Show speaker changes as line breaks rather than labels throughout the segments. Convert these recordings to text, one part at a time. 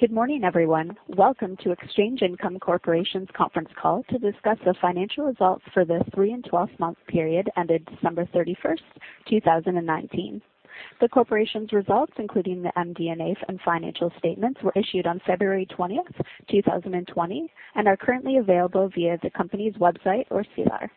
Good morning, everyone. Welcome to Exchange Income Corporation's conference call to discuss the financial results for the three and 12-month period ended December 31st, 2019. The corporation's results, including the MD&As and financial statements, were issued on February 20th, 2020, and are currently available via the company's website or SEDAR.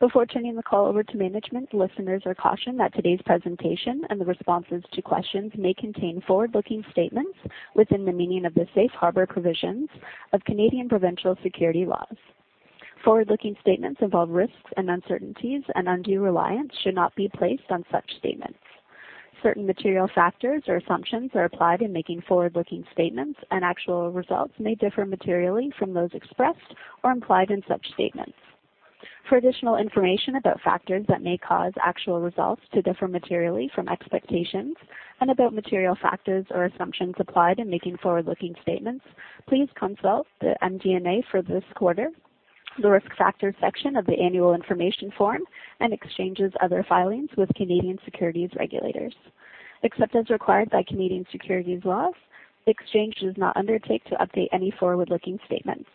Before turning the call over to management, listeners are cautioned that today's presentation and the responses to questions may contain forward-looking statements within the meaning of the safe harbor provisions of Canadian provincial security laws. Forward-looking statements involve risks and uncertainties, and undue reliance should not be placed on such statements. Certain material factors or assumptions are applied in making forward-looking statements, and actual results may differ materially from those expressed or implied in such statements. For additional information about factors that may cause actual results to differ materially from expectations and about material factors or assumptions applied in making forward-looking statements, please consult the MD&A for this quarter, the Risk Factors section of the annual information form, and Exchange's other filings with Canadian securities regulators. Except as required by Canadian securities laws, Exchange does not undertake to update any forward-looking statements.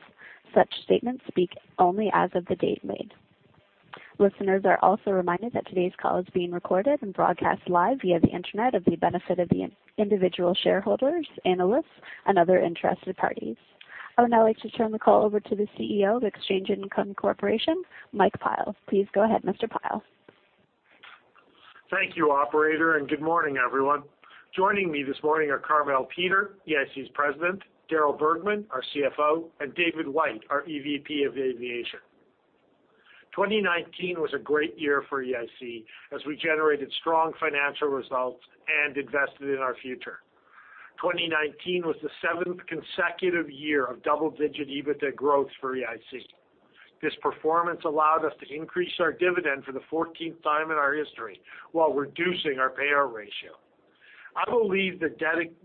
Such statements speak only as of the date made. Listeners are also reminded that today's call is being recorded and broadcast live via the Internet of the benefit of the individual shareholders, analysts, and other interested parties. I would now like to turn the call over to the CEO of Exchange Income Corporation, Mike Pyle. Please go ahead, Mr. Pyle.
Thank you, operator, and good morning, everyone. Joining me this morning are Carmele Peter, EIC's President, Darryl Bergman, our CFO, and David White, our EVP of Aviation. 2019 was a great year for EIC as we generated strong financial results and invested in our future. 2019 was the seventh consecutive year of double-digit EBITDA growth for EIC. This performance allowed us to increase our dividend for the 14th time in our history while reducing our payout ratio. I will leave the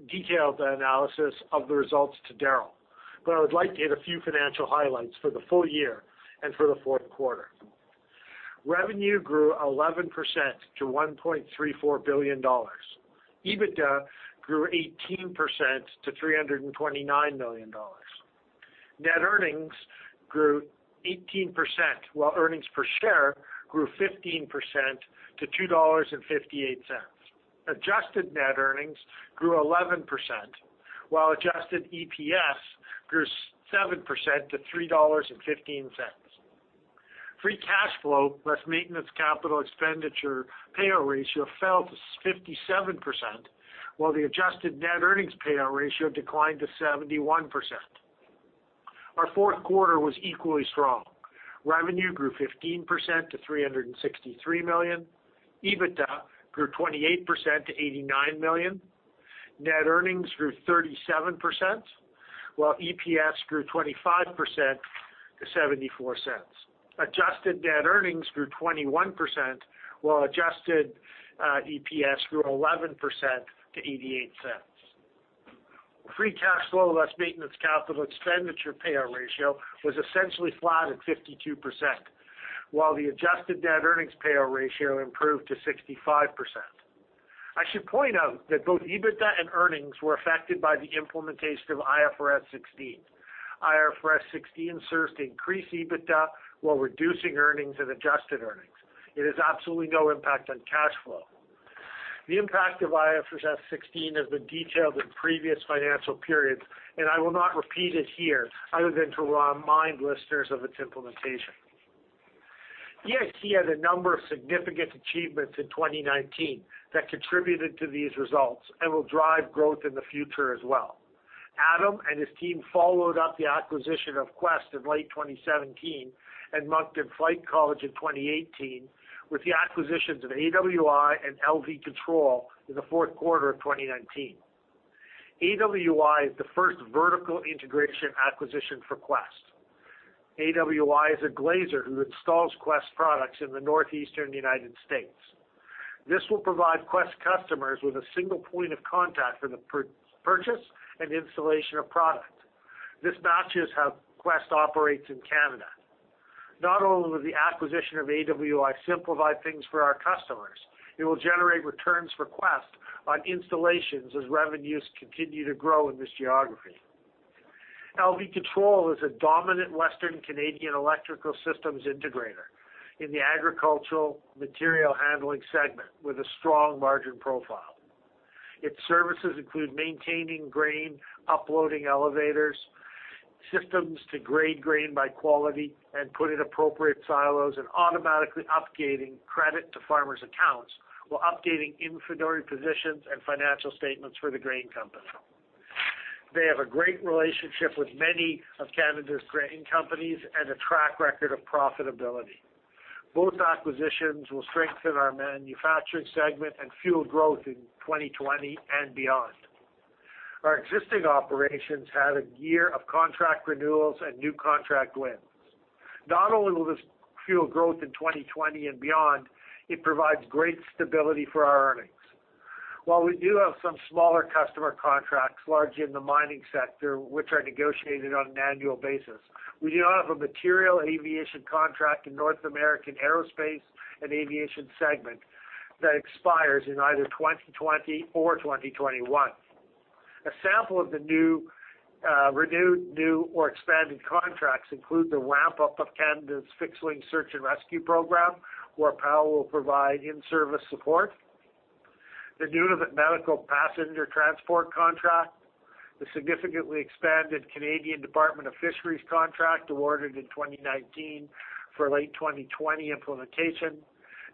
detailed analysis of the results to Darryl, but I would like to hit a few financial highlights for the full year and for the fourth quarter. Revenue grew 11% to 1.34 billion dollars. EBITDA grew 18% to 329 million dollars. Net earnings grew 18%, while earnings per share grew 15% to 2.58 dollars. Adjusted net earnings grew 11%, while adjusted EPS grew 7% to 3.15 dollars. Free cash flow, less maintenance capital expenditure payout ratio fell to 57%, while the adjusted net earnings payout ratio declined to 71%. Our fourth quarter was equally strong. Revenue grew 15% to 363 million. EBITDA grew 28% to 89 million. Net earnings grew 37%, while EPS grew 25% to 0.74. Adjusted net earnings grew 21%, while adjusted EPS grew 11% to 0.88. Free cash flow, less maintenance, capital expenditure payout ratio was essentially flat at 52%, while the adjusted net earnings payout ratio improved to 65%. I should point out that both EBITDA and earnings were affected by the implementation of IFRS 16. IFRS 16 serves to increase EBITDA while reducing earnings and adjusted earnings. It has absolutely no impact on cash flow. The impact of IFRS 16 has been detailed in previous financial periods, and I will not repeat it here other than to remind listeners of its implementation. EIC had a number of significant achievements in 2019 that contributed to these results and will drive growth in the future as well. Adam and his team followed up the acquisition of Quest in late 2017 and Moncton Flight College in 2018 with the acquisitions of AWI and L.V. Control in the fourth quarter of 2019. AWI is the first vertical integration acquisition for Quest. AWI is a glazer who installs Quest products in the Northeastern United States. This will provide Quest customers with a single point of contact for the purchase and installation of product. This matches how Quest operates in Canada. Not only will the acquisition of AWI simplify things for our customers, it will generate returns for Quest on installations as revenues continue to grow in this geography. L.V. Control is a dominant Western Canadian electrical systems integrator in the agricultural material handling segment with a strong margin profile. Its services include maintaining grain, uploading elevators, systems to grade grain by quality and put in appropriate silos, and automatically updating credit to farmers' accounts while updating inventory positions and financial statements for the grain company. They have a great relationship with many of Canada's grain companies and a track record of profitability. Both acquisitions will strengthen our manufacturing segment and fuel growth in 2020 and beyond. Our existing operations had a year of contract renewals and new contract wins. Not only will this fuel growth in 2020 and beyond, it provides great stability for our earnings. While we do have some smaller customer contracts, largely in the mining sector, which are negotiated on an annual basis, we do not have a material aviation contract in North American Aerospace and Aviation segment that expires in either 2020 or 2021. A sample of the renewed, new, or expanded contracts include the ramp-up of Canada's Fixed-Wing Search and Rescue program, where PAL will provide in-service support. The Nunavut Medical Passenger Transport contract, the significantly expanded Fisheries and Oceans Canada contract awarded in 2019 for late 2020 implementation,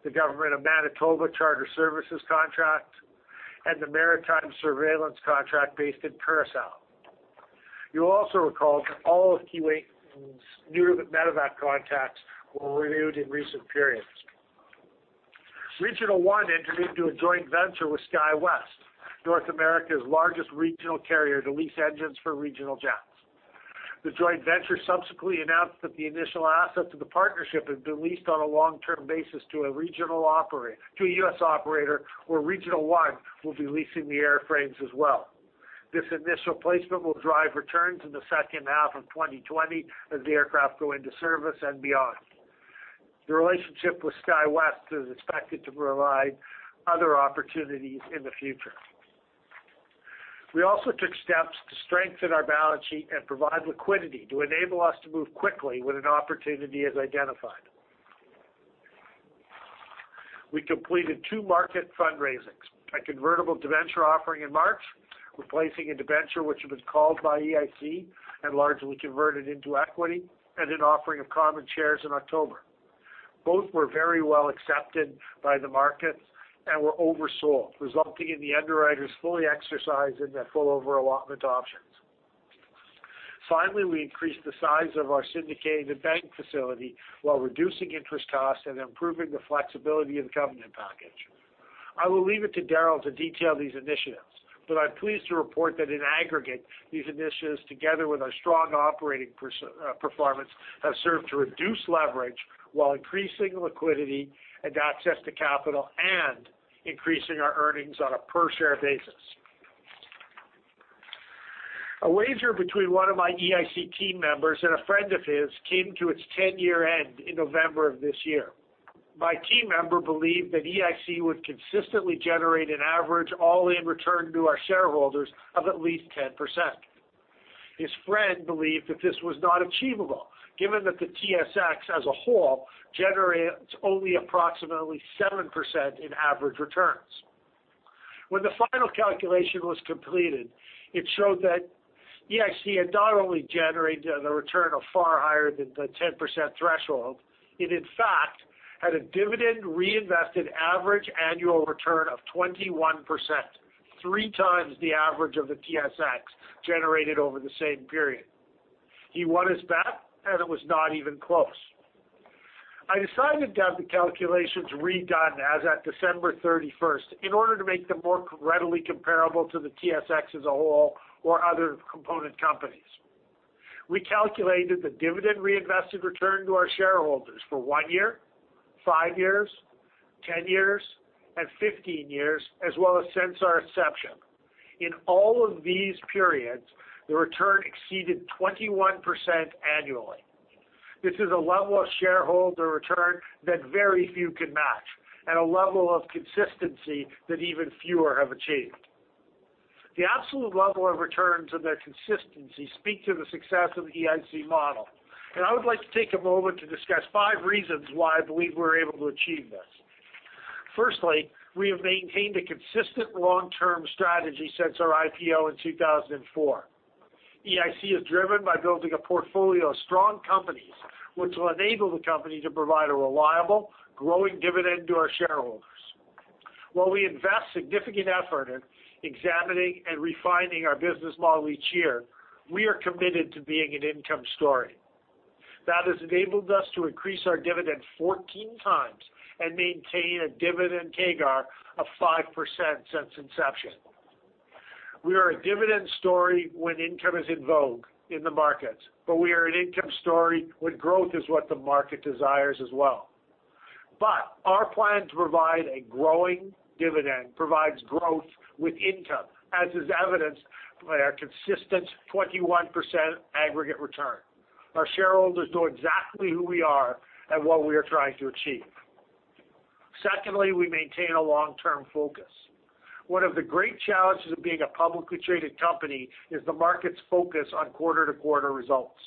the Government of Manitoba Charter Services contract, and the Maritime Surveillance contract based in Curaçao. You will also recall that all of Keewatin's Nunavut Medevac contracts were renewed in recent periods. Regional One entered into a joint venture with SkyWest, North America's largest regional carrier, to lease engines for regional jets. The joint venture subsequently announced that the initial assets of the partnership have been leased on a long-term basis to a U.S. operator, where Regional One will be leasing the airframes as well. This initial placement will drive returns in the second half of 2020 as the aircraft go into service and beyond. The relationship with SkyWest is expected to provide other opportunities in the future. We also took steps to strengthen our balance sheet and provide liquidity to enable us to move quickly when an opportunity is identified. We completed two market fundraisings. A convertible debenture offering in March, replacing a debenture which was called by EIC and largely converted into equity, and an offering of common shares in October. Both were very well accepted by the markets and were oversold, resulting in the underwriters fully exercising their full over-allotment options. We increased the size of our syndicated bank facility while reducing interest costs and improving the flexibility of the covenant package. I will leave it to Darryl to detail these initiatives, but I'm pleased to report that in aggregate, these initiatives, together with our strong operating performance, have served to reduce leverage while increasing liquidity and access to capital and increasing our earnings on a per-share basis. A wager between one of my EIC team members and a friend of his came to its 10-year end in November of this year. My team member believed that EIC would consistently generate an average all-in return to our shareholders of at least 10%. His friend believed that this was not achievable, given that the TSX as a whole generates only approximately 7% in average returns. When the final calculation was completed, it showed that EIC had not only generated a return of far higher than the 10% threshold, it in fact had a dividend reinvested average annual return of 21%, three times the average of the TSX generated over the same period. He won his bet, and it was not even close. I decided to have the calculations redone as at December 31st in order to make them more readily comparable to the TSX as a whole or other component companies. We calculated the dividend reinvested return to our shareholders for one year, five years, 10 years, and 15 years, as well as since our inception. In all of these periods, the return exceeded 21% annually. This is a level of shareholder return that very few can match and a level of consistency that even fewer have achieved. The absolute level of returns and their consistency speak to the success of the EIC model. I would like to take a moment to discuss five reasons why I believe we're able to achieve this. Firstly, we have maintained a consistent long-term strategy since our IPO in 2004. EIC is driven by building a portfolio of strong companies, which will enable the company to provide a reliable, growing dividend to our shareholders. While we invest significant effort in examining and refining our business model each year, we are committed to being an income story. That has enabled us to increase our dividend 14x and maintain a dividend CAGR of 5% since inception. We are a dividend story when income is in vogue in the markets. We are an income story when growth is what the market desires as well. Our plan to provide a growing dividend provides growth with income, as is evidenced by our consistent 21% aggregate return. Our shareholders know exactly who we are and what we are trying to achieve. Secondly, we maintain a long-term focus. One of the great challenges of being a publicly traded company is the market's focus on quarter-to-quarter results.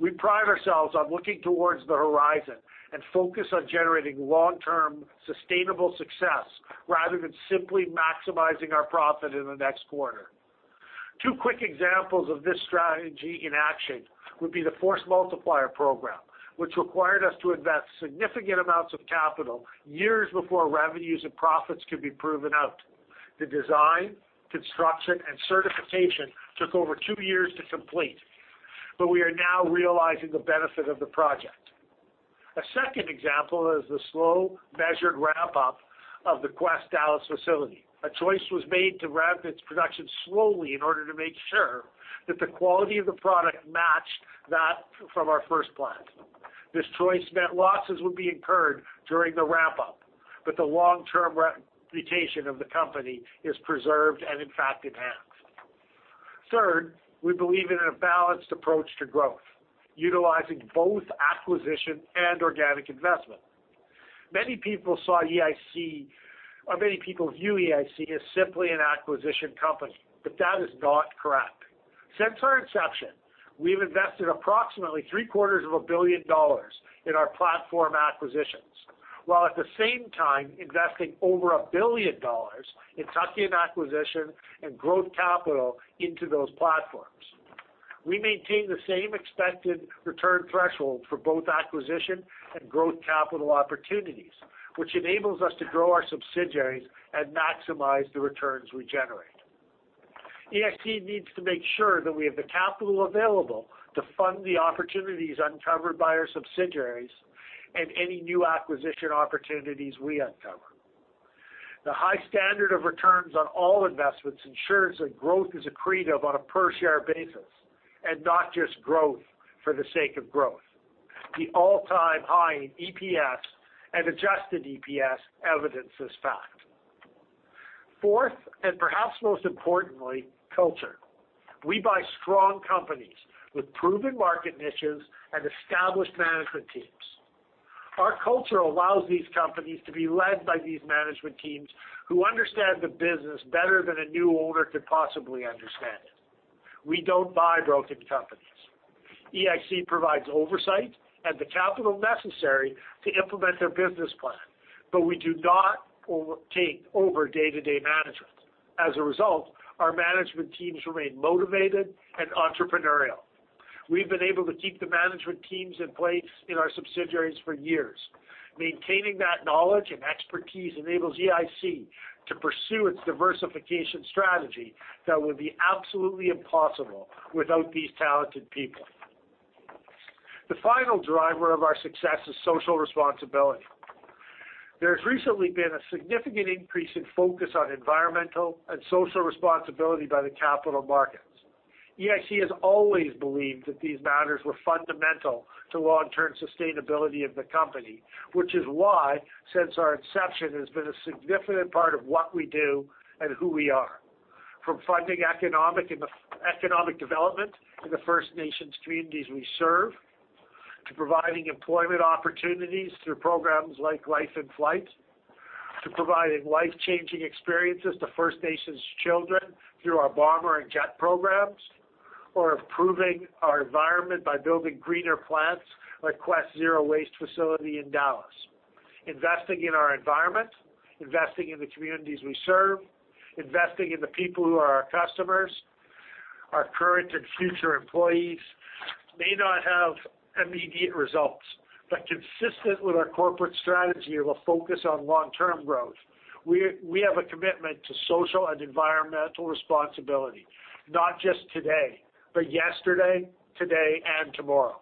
We pride ourselves on looking towards the horizon and focus on generating long-term sustainable success rather than simply maximizing our profit in the next quarter. Two quick examples of this strategy in action would be the Force Multiplier program, which required us to invest significant amounts of capital years before revenues and profits could be proven out. The design, construction, and certification took over two years to complete, but we are now realizing the benefit of the project. A second example is the slow, measured ramp-up of the Quest Dallas facility. A choice was made to ramp its production slowly in order to make sure that the quality of the product matched that from our first plant. This choice meant losses would be incurred during the ramp-up, but the long-term reputation of the company is preserved and in fact enhanced. Third, we believe in a balanced approach to growth, utilizing both acquisition and organic investment. Many people view EIC as simply an acquisition company, but that is not correct. Since our inception, we've invested approximately 750 million dollars in our platform acquisitions, while at the same time investing over 1 billion dollars in tuck-in acquisition and growth capital into those platforms. We maintain the same expected return threshold for both acquisition and growth capital opportunities, which enables us to grow our subsidiaries and maximize the returns we generate. EIC needs to make sure that we have the capital available to fund the opportunities uncovered by our subsidiaries and any new acquisition opportunities we uncover. The high standard of returns on all investments ensures that growth is accretive on a per-share basis and not just growth for the sake of growth. The all-time high in EPS and adjusted EPS evidence this fact. Fourth, and perhaps most importantly, culture. We buy strong companies with proven market niches and established management teams. Our culture allows these companies to be led by these management teams who understand the business better than a new owner could possibly understand it. We don't buy broken companies. EIC provides oversight and the capital necessary to implement their business plan, but we do not take over day-to-day management. As a result, our management teams remain motivated and entrepreneurial. We've been able to keep the management teams in place in our subsidiaries for years. Maintaining that knowledge and expertise enables EIC to pursue its diversification strategy that would be absolutely impossible without these talented people. The final driver of our success is social responsibility. There's recently been a significant increase in focus on environmental and social responsibility by the capital markets. EIC has always believed that these matters were fundamental to long-term sustainability of the company, which is why, since our inception, it has been a significant part of what we do and who we are. From funding economic development in the First Nations communities we serve, to providing employment opportunities through programs like Life in Flight, to providing life-changing experiences to First Nations children through our Bomber and Jet programs, or improving our environment by building greener plants like Quest's zero-waste facility in Dallas. Investing in our environment, investing in the communities we serve, investing in the people who are our customers, our current and future employees may not have immediate results, but consistent with our corporate strategy of a focus on long-term growth, we have a commitment to social and environmental responsibility. Not just today, but yesterday, today, and tomorrow.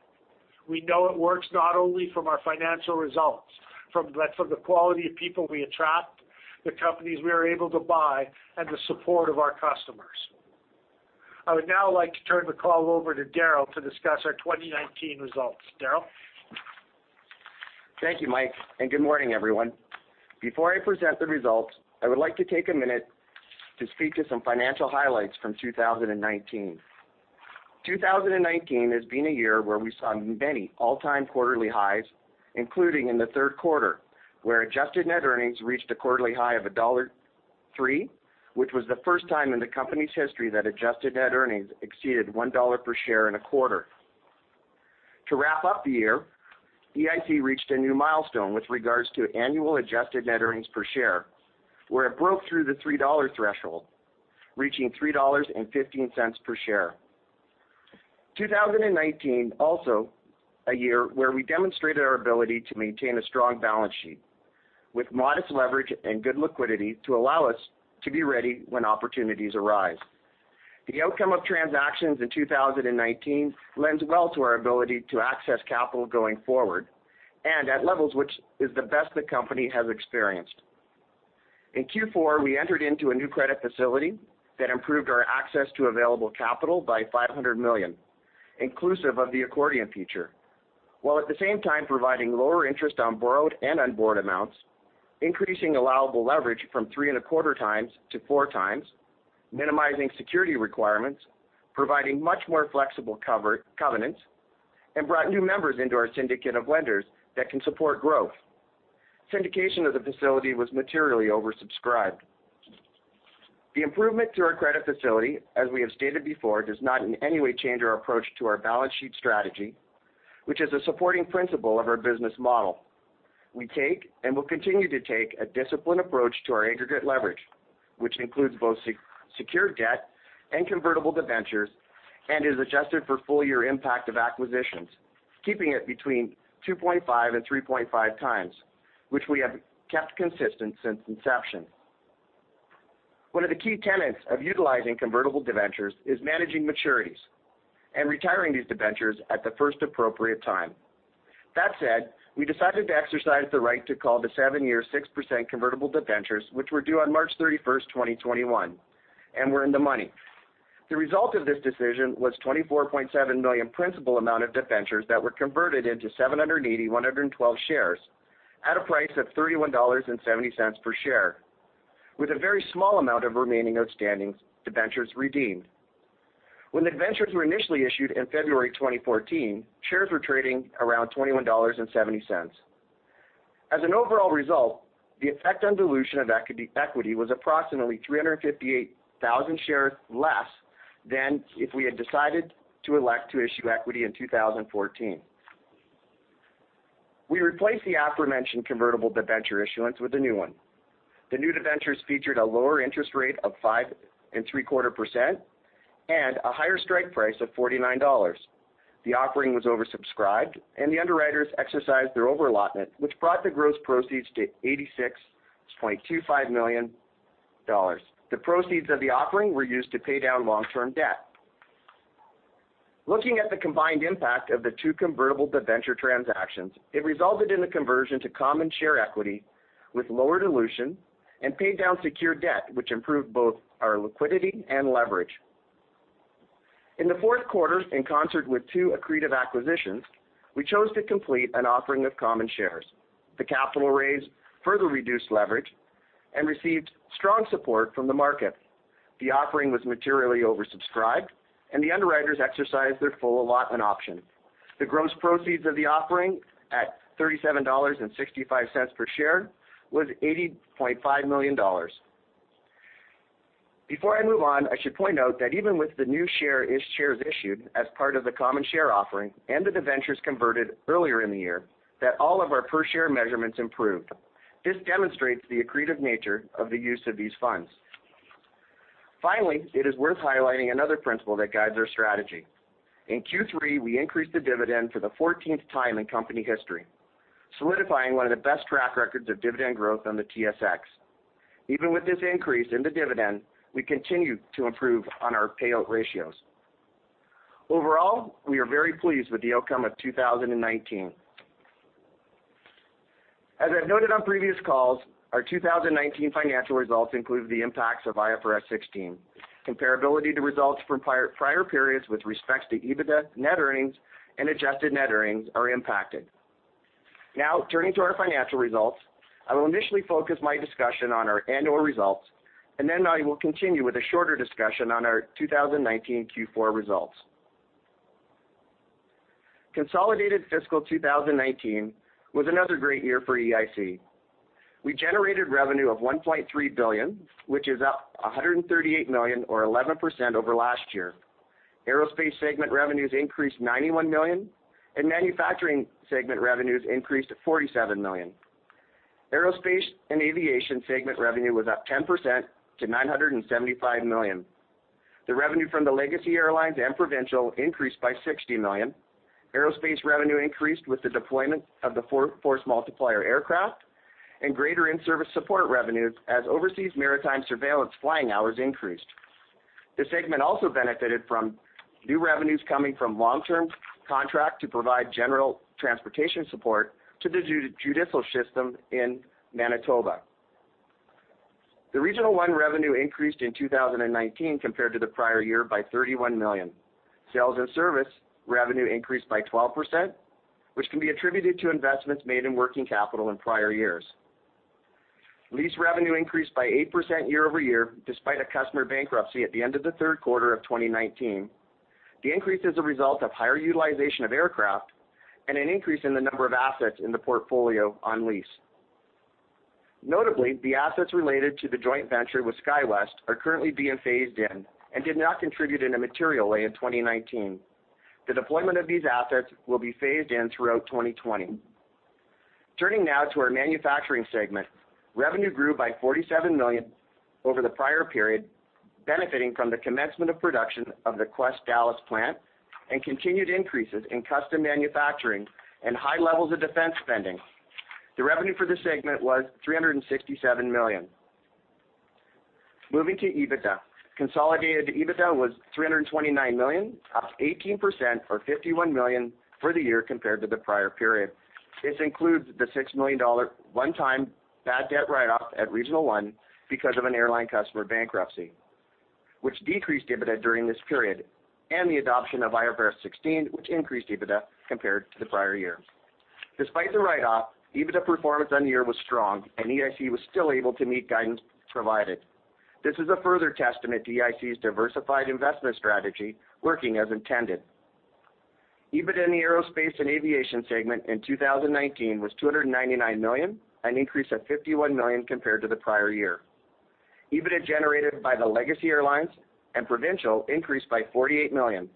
We know it works not only from our financial results, but from the quality of people we attract, the companies we are able to buy, and the support of our customers. I would now like to turn the call over to Darryl to discuss our 2019 results. Darryl?
Thank you, Mike. Good morning, everyone. Before I present the results, I would like to take a minute to speak to some financial highlights from 2019. 2019 has been a year where we saw many all-time quarterly highs, including in the third quarter, where adjusted net earnings reached a quarterly high of dollar 1.3, which was the first time in the company's history that adjusted net earnings exceeded 1 dollar per share in a quarter. To wrap up the year, EIC reached a new milestone with regards to annual adjusted net earnings per share, where it broke through the 3 dollar threshold, reaching 3.15 dollars per share. 2019 also a year where we demonstrated our ability to maintain a strong balance sheet with modest leverage and good liquidity to allow us to be ready when opportunities arise. The outcome of transactions in 2019 lends well to our ability to access capital going forward, and at levels which is the best the company has experienced. In Q4, we entered into a new credit facility that improved our access to available capital by 500 million, inclusive of the accordion feature, while at the same time providing lower interest on borrowed and on-board amounts, increasing allowable leverage from 3.25x-4x, minimizing security requirements, providing much more flexible covenants, and brought new members into our syndicate of lenders that can support growth. Syndication of the facility was materially oversubscribed. The improvement to our credit facility, as we have stated before, does not in any way change our approach to our balance sheet strategy, which is a supporting principle of our business model. We take and will continue to take a disciplined approach to our aggregate leverage, which includes both secured debt and convertible debentures and is adjusted for full-year impact of acquisitions, keeping it between 2.5x and 3.5x, which we have kept consistent since inception. One of the key tenets of utilizing convertible debentures is managing maturities and retiring these debentures at the first appropriate time. That said, we decided to exercise the right to call the seven-year, 6% convertible debentures, which were due on March 31st, 2021, and were in the money. The result of this decision was 24.7 million principal amount of debentures that were converted into 780,112 shares, at a price of 31.70 dollars per share, with a very small amount of remaining outstanding debentures redeemed. When the debentures were initially issued in February 2014, shares were trading around 21.70 dollars. As an overall result, the effect on dilution of equity was approximately 358,000 shares less than if we had decided to elect to issue equity in 2014. We replaced the aforementioned convertible debenture issuance with a new one. The new debentures featured a lower interest rate of 5.75% and a higher strike price of 49 dollars. The offering was oversubscribed, and the underwriters exercised their overallotment, which brought the gross proceeds to 86.25 million dollars. The proceeds of the offering were used to pay down long-term debt. Looking at the combined impact of the two convertible debenture transactions, it resulted in the conversion to common share equity with lower dilution and paid down secure debt, which improved both our liquidity and leverage. In the fourth quarter, in concert with two accretive acquisitions, we chose to complete an offering of common shares. The capital raise further reduced leverage and received strong support from the market. The offering was materially oversubscribed, and the underwriters exercised their full allotment option. The gross proceeds of the offering at 37.65 dollars per share was 80.5 million dollars. Before I move on, I should point out that even with the new shares issued as part of the common share offering and the debentures converted earlier in the year, that all of our per share measurements improved. This demonstrates the accretive nature of the use of these funds. Finally, it is worth highlighting another principle that guides our strategy. In Q3, we increased the dividend for the 14th time in company history, solidifying one of the best track records of dividend growth on the TSX. Even with this increase in the dividend, we continue to improve on our payout ratios. Overall, we are very pleased with the outcome of 2019. As I've noted on previous calls, our 2019 financial results include the impacts of IFRS 16. Comparability to results from prior periods with respect to EBITDA, net earnings, and adjusted net earnings are impacted. Now, turning to our financial results, I will initially focus my discussion on our annual results, and then I will continue with a shorter discussion on our 2019 Q4 results. Consolidated fiscal 2019 was another great year for EIC. We generated revenue of 1.3 billion, which is up 138 million or 11% over last year. Aerospace segment revenues increased 91 million, and manufacturing segment revenues increased to 47 million. Aerospace and aviation segment revenue was up 10% to 975 million. The revenue from the Legacy Airlines and Provincial Airlines increased by 60 million. Aerospace revenue increased with the deployment of the Force Multiplier aircraft and greater in-service support revenues as overseas maritime surveillance flying hours increased. The segment also benefited from new revenues coming from long-term contract to provide general transportation support to the judicial system in Manitoba. The Regional One revenue increased in 2019 compared to the prior year by 31 million. Sales and service revenue increased by 12%, which can be attributed to investments made in working capital in prior years. Lease revenue increased by 8% year-over-year, despite a customer bankruptcy at the end of the third quarter of 2019. The increase is a result of higher utilization of aircraft and an increase in the number of assets in the portfolio on lease. Notably, the assets related to the joint venture with SkyWest are currently being phased in and did not contribute in a material way in 2019. The deployment of these assets will be phased in throughout 2020. Turning now to our manufacturing segment. Revenue grew by 47 million over the prior period, benefiting from the commencement of production of the Quest Dallas plant and continued increases in custom manufacturing and high levels of defense spending. The revenue for the segment was 367 million. Moving to EBITDA. Consolidated EBITDA was 329 million, up 18% or 51 million for the year compared to the prior period. This includes the 6 million dollar one-time bad debt write-off at Regional One because of an airline customer bankruptcy, which decreased EBITDA during this period, and the adoption of IFRS 16, which increased EBITDA compared to the prior year. Despite the write-off, EBITDA performance on the year was strong, and EIC was still able to meet guidance provided. This is a further testament to EIC's diversified investment strategy working as intended. EBITDA in the aerospace and aviation segment in 2019 was 299 million, an increase of 51 million compared to the prior year. EBITDA generated by the Legacy Airlines and Provincial increased by 48 million.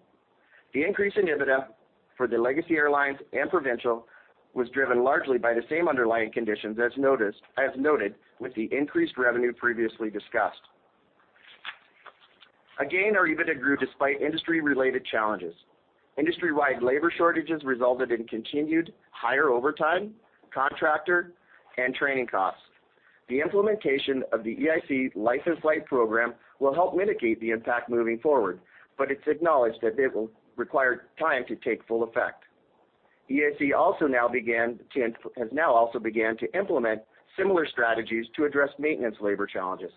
The increase in EBITDA for the Legacy Airlines and Provincial was driven largely by the same underlying conditions as noted with the increased revenue previously discussed. Again, our EBITDA grew despite industry-related challenges. Industry-wide labor shortages resulted in continued higher overtime, contractor, and training costs. The implementation of the EIC Life in Flight program will help mitigate the impact moving forward, but it's acknowledged that it will require time to take full effect. EIC has now also began to implement similar strategies to address maintenance labor challenges.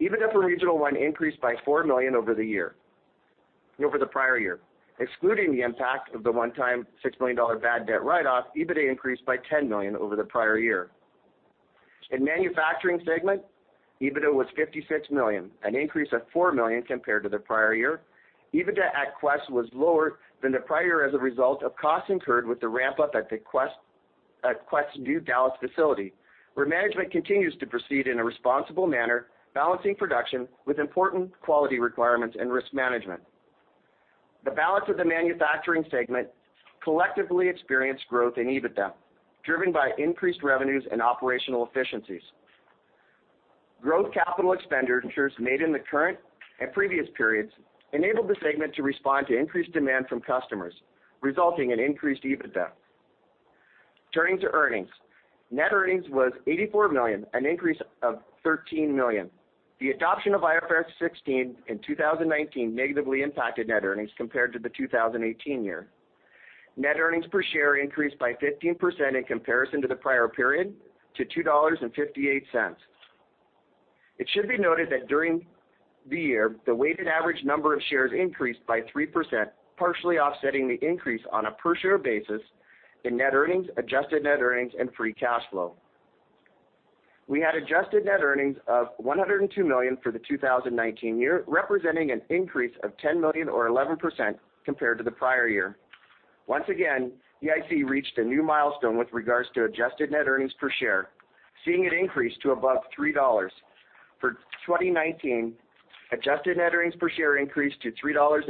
Even if the Regional One increased by 4 million over the prior year. Excluding the impact of the one-time 6 million dollar bad debt write-off, EBITDA increased by 10 million over the prior year. In manufacturing segment, EBITDA was 56 million, an increase of 4 million compared to the prior year. EBITDA at Quest was lower than the prior as a result of costs incurred with the ramp-up at Quest's new Dallas facility, where management continues to proceed in a responsible manner, balancing production with important quality requirements and risk management. The balance of the manufacturing segment collectively experienced growth in EBITDA, driven by increased revenues and operational efficiencies. Growth capital expenditures made in the current and previous periods enabled the segment to respond to increased demand from customers, resulting in increased EBITDA. Turning to earnings. Net earnings was 84 million, an increase of 13 million. The adoption of IFRS 16 in 2019 negatively impacted net earnings compared to the 2018 year. Net earnings per share increased by 15% in comparison to the prior period to 2.58 dollars. It should be noted that during the year, the weighted average number of shares increased by 3%, partially offsetting the increase on a per-share basis in net earnings, adjusted net earnings, and free cash flow. We had adjusted net earnings of 102 million for the 2019 year, representing an increase of 10 million or 11% compared to the prior year. Once again, EIC reached a new milestone with regards to adjusted net earnings per share, seeing it increase to above 3 dollars. For 2019, adjusted net earnings per share increased to 3.15 dollars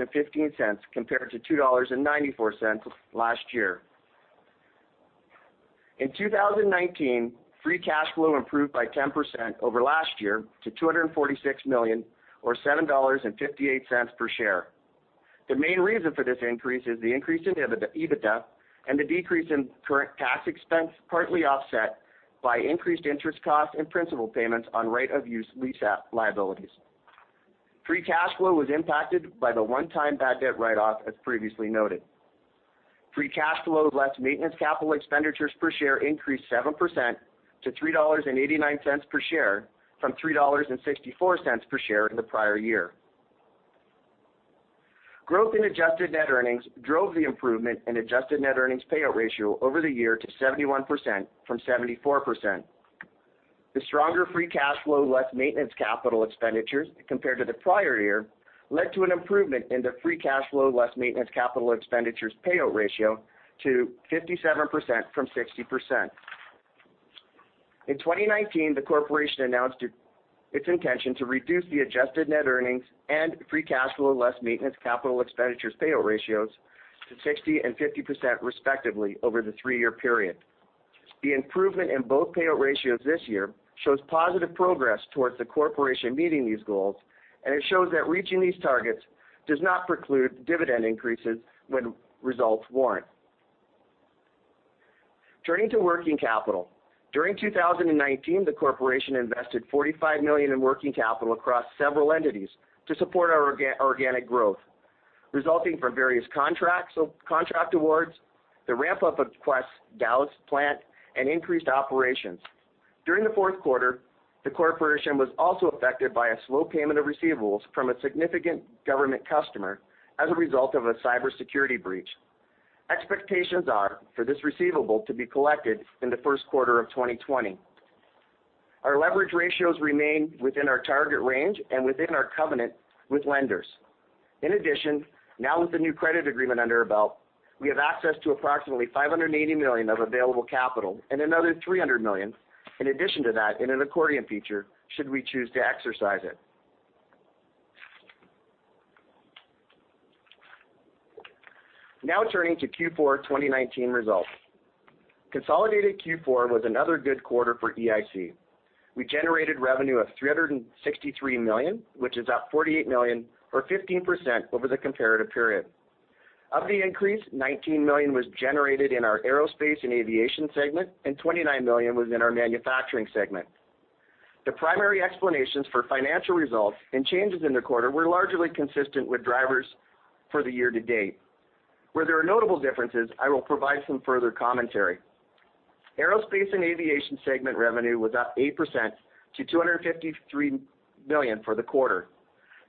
compared to 2.94 dollars last year. In 2019, free cash flow improved by 10% over last year to 246 million or 7.58 dollars per share. The main reason for this increase is the increase in EBITDA and the decrease in current tax expense, partly offset by increased interest cost and principal payments on right-of-use lease liabilities. Free cash flow was impacted by the one-time bad debt write-off, as previously noted. Free cash flow less maintenance capital expenditures per share increased 7% to 3.89 dollars per share from 3.64 dollars per share in the prior year. Growth in adjusted net earnings drove the improvement in adjusted net earnings payout ratio over the year to 71% from 74%. The stronger free cash flow less maintenance capital expenditures compared to the prior year led to an improvement in the free cash flow less maintenance capital expenditures payout ratio to 57% from 60%. In 2019, the Corporation announced its intention to reduce the adjusted net earnings and free cash flow less maintenance capital expenditures payout ratios to 60% and 50%, respectively, over the three-year period. The improvement in both payout ratios this year shows positive progress towards the Corporation meeting these goals, and it shows that reaching these targets does not preclude dividend increases when results warrant. Turning to working capital. During 2019, the Corporation invested 45 million in working capital across several entities to support our organic growth, resulting from various contract awards, the ramp-up of Quest's Dallas plant, and increased operations. During the fourth quarter, the Corporation was also affected by a slow payment of receivables from a significant government customer as a result of a cybersecurity breach. Expectations are for this receivable to be collected in the first quarter of 2020. Our leverage ratios remain within our target range and within our covenant with lenders. In addition, now with the new credit agreement under our belt, we have access to approximately 580 million of available capital and another 300 million in addition to that in an accordion feature, should we choose to exercise it. Now turning to Q4 2019 results. Consolidated Q4 was another good quarter for EIC. We generated revenue of 363 million, which is up 48 million or 15% over the comparative period. Of the increase, 19 million was generated in our aerospace and aviation segment, and 29 million was in our manufacturing segment. The primary explanations for financial results and changes in the quarter were largely consistent with drivers for the year-to-date. Where there are notable differences, I will provide some further commentary. Aerospace and aviation segment revenue was up 8% to 253 million for the quarter.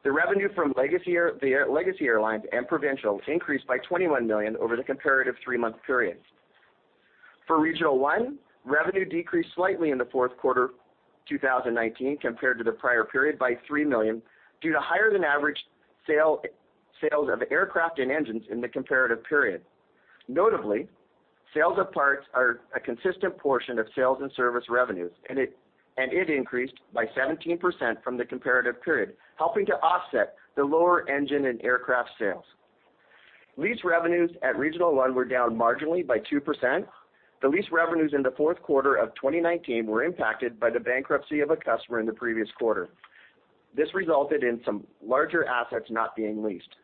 The revenue from the Legacy Airlines and Provincial increased by 21 million over the comparative three-month period. For Regional One, revenue decreased slightly in the fourth quarter 2019 compared to the prior period by 3 million due to higher-than-average sales of aircraft and engines in the comparative period. Notably, sales of parts are a consistent portion of sales and service revenues, and it increased by 17% from the comparative period, helping to offset the lower engine and aircraft sales. Lease revenues at Regional One were down marginally by 2%. The lease revenues in the fourth quarter of 2019 were impacted by the bankruptcy of a customer in the previous quarter. This resulted in some larger assets not being leased.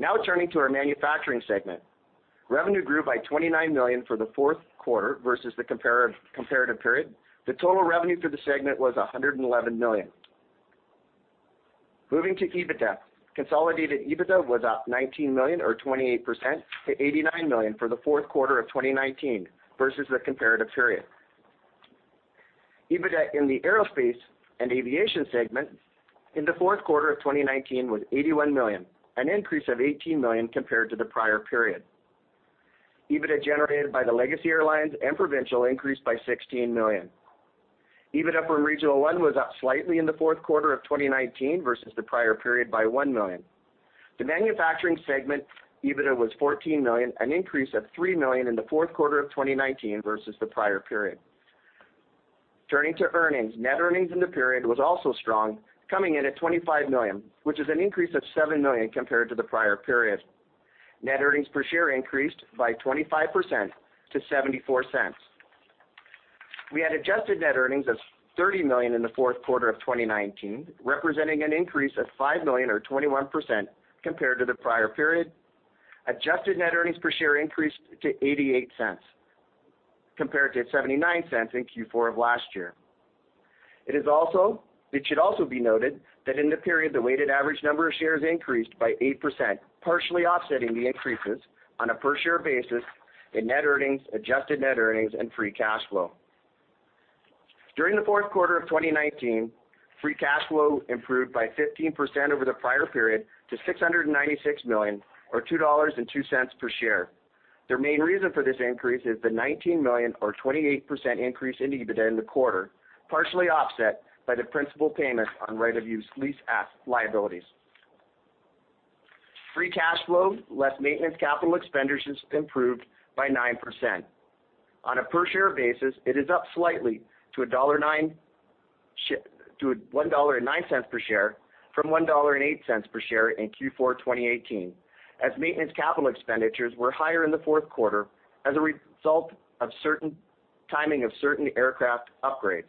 Now turning to our manufacturing segment. Revenue grew by 29 million for the fourth quarter versus the comparative period. The total revenue for the segment was 111 million. Moving to EBITDA. Consolidated EBITDA was up 19 million or 28% to 89 million for the fourth quarter of 2019 versus the comparative period. EBITDA in the aerospace and aviation segment in the fourth quarter of 2019 was 81 million, an increase of 18 million compared to the prior period. EBITDA generated by the Legacy Airlines and Provincial increased by 16 million. EBITDA from Regional One was up slightly in the fourth quarter of 2019 versus the prior period by 1 million. The manufacturing segment EBITDA was 14 million, an increase of 3 million in the fourth quarter of 2019 versus the prior period. Turning to earnings. Net earnings in the period was also strong, coming in at 25 million, which is an increase of 7 million compared to the prior period. Net earnings per share increased by 25% to 0.74. We had adjusted net earnings of 30 million in the fourth quarter of 2019, representing an increase of 5 million or 21% compared to the prior period. Adjusted net earnings per share increased to 0.88 compared to 0.79 in Q4 of last year. It should also be noted that in the period, the weighted average number of shares increased by 8%, partially offsetting the increases on a per-share basis in net earnings, adjusted net earnings and free cash flow. During the fourth quarter of 2019, free cash flow improved by 15% over the prior period to 696 million or 2.02 dollars per share. The main reason for this increase is the 19 million, or 28% increase in EBITDA in the quarter, partially offset by the principal payment on right of use lease liabilities. Free cash flow, less maintenance capital expenditures improved by 9%. On a per-share basis, it is up slightly to 1.09 dollar per share from 1.08 dollar per share in Q4 2018, as maintenance capital expenditures were higher in the fourth quarter as a result of timing of certain aircraft upgrades.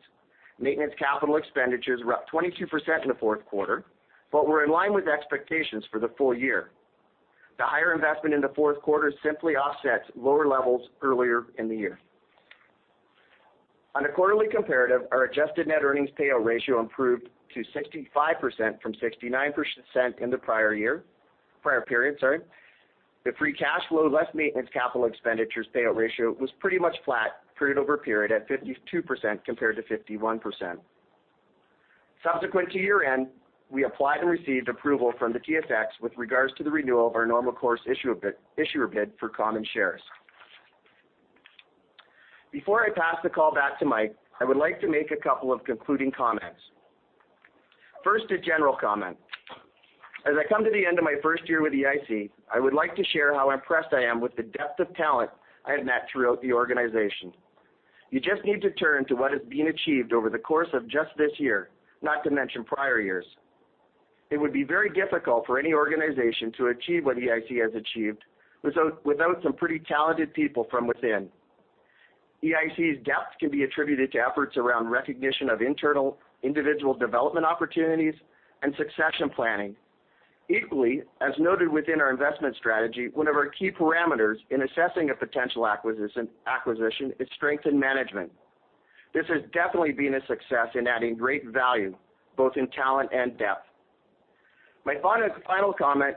Maintenance capital expenditures were up 22% in the fourth quarter but were in line with expectations for the full year. The higher investment in the fourth quarter simply offsets lower levels earlier in the year. On a quarterly comparative, our adjusted net earnings payout ratio improved to 65% from 69% in the prior period. The free cash flow, less maintenance capital expenditures payout ratio was pretty much flat period over period at 52% compared to 51%. Subsequent to year-end, we applied and received approval from the TSX with regards to the renewal of our normal course issuer bid for common shares. Before I pass the call back to Mike, I would like to make a couple of concluding comments. First, a general comment. As I come to the end of my first year with EIC, I would like to share how impressed I am with the depth of talent I have met throughout the organization. You just need to turn to what has been achieved over the course of just this year, not to mention prior years. It would be very difficult for any organization to achieve what EIC has achieved without some pretty talented people from within. EIC's depth can be attributed to efforts around recognition of internal individual development opportunities and succession planning. Equally, as noted within our investment strategy, one of our key parameters in assessing a potential acquisition is strength in management. This has definitely been a success in adding great value both in talent and depth. My final comment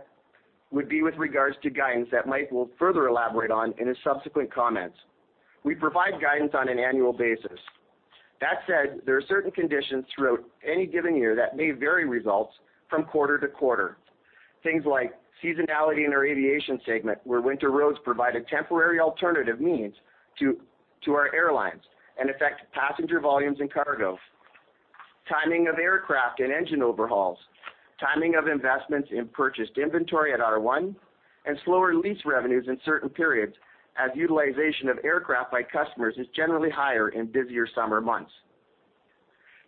would be with regards to guidance that Mike will further elaborate on in his subsequent comments. We provide guidance on an annual basis. That said, there are certain conditions throughout any given year that may vary results from quarter-to-quarter. Things like seasonality in our aviation segment, where winter roads provide a temporary alternative means to our airlines and affect passenger volumes and cargo, timing of aircraft and engine overhauls, timing of investments in purchased inventory at R1, and slower lease revenues in certain periods as utilization of aircraft by customers is generally higher in busier summer months.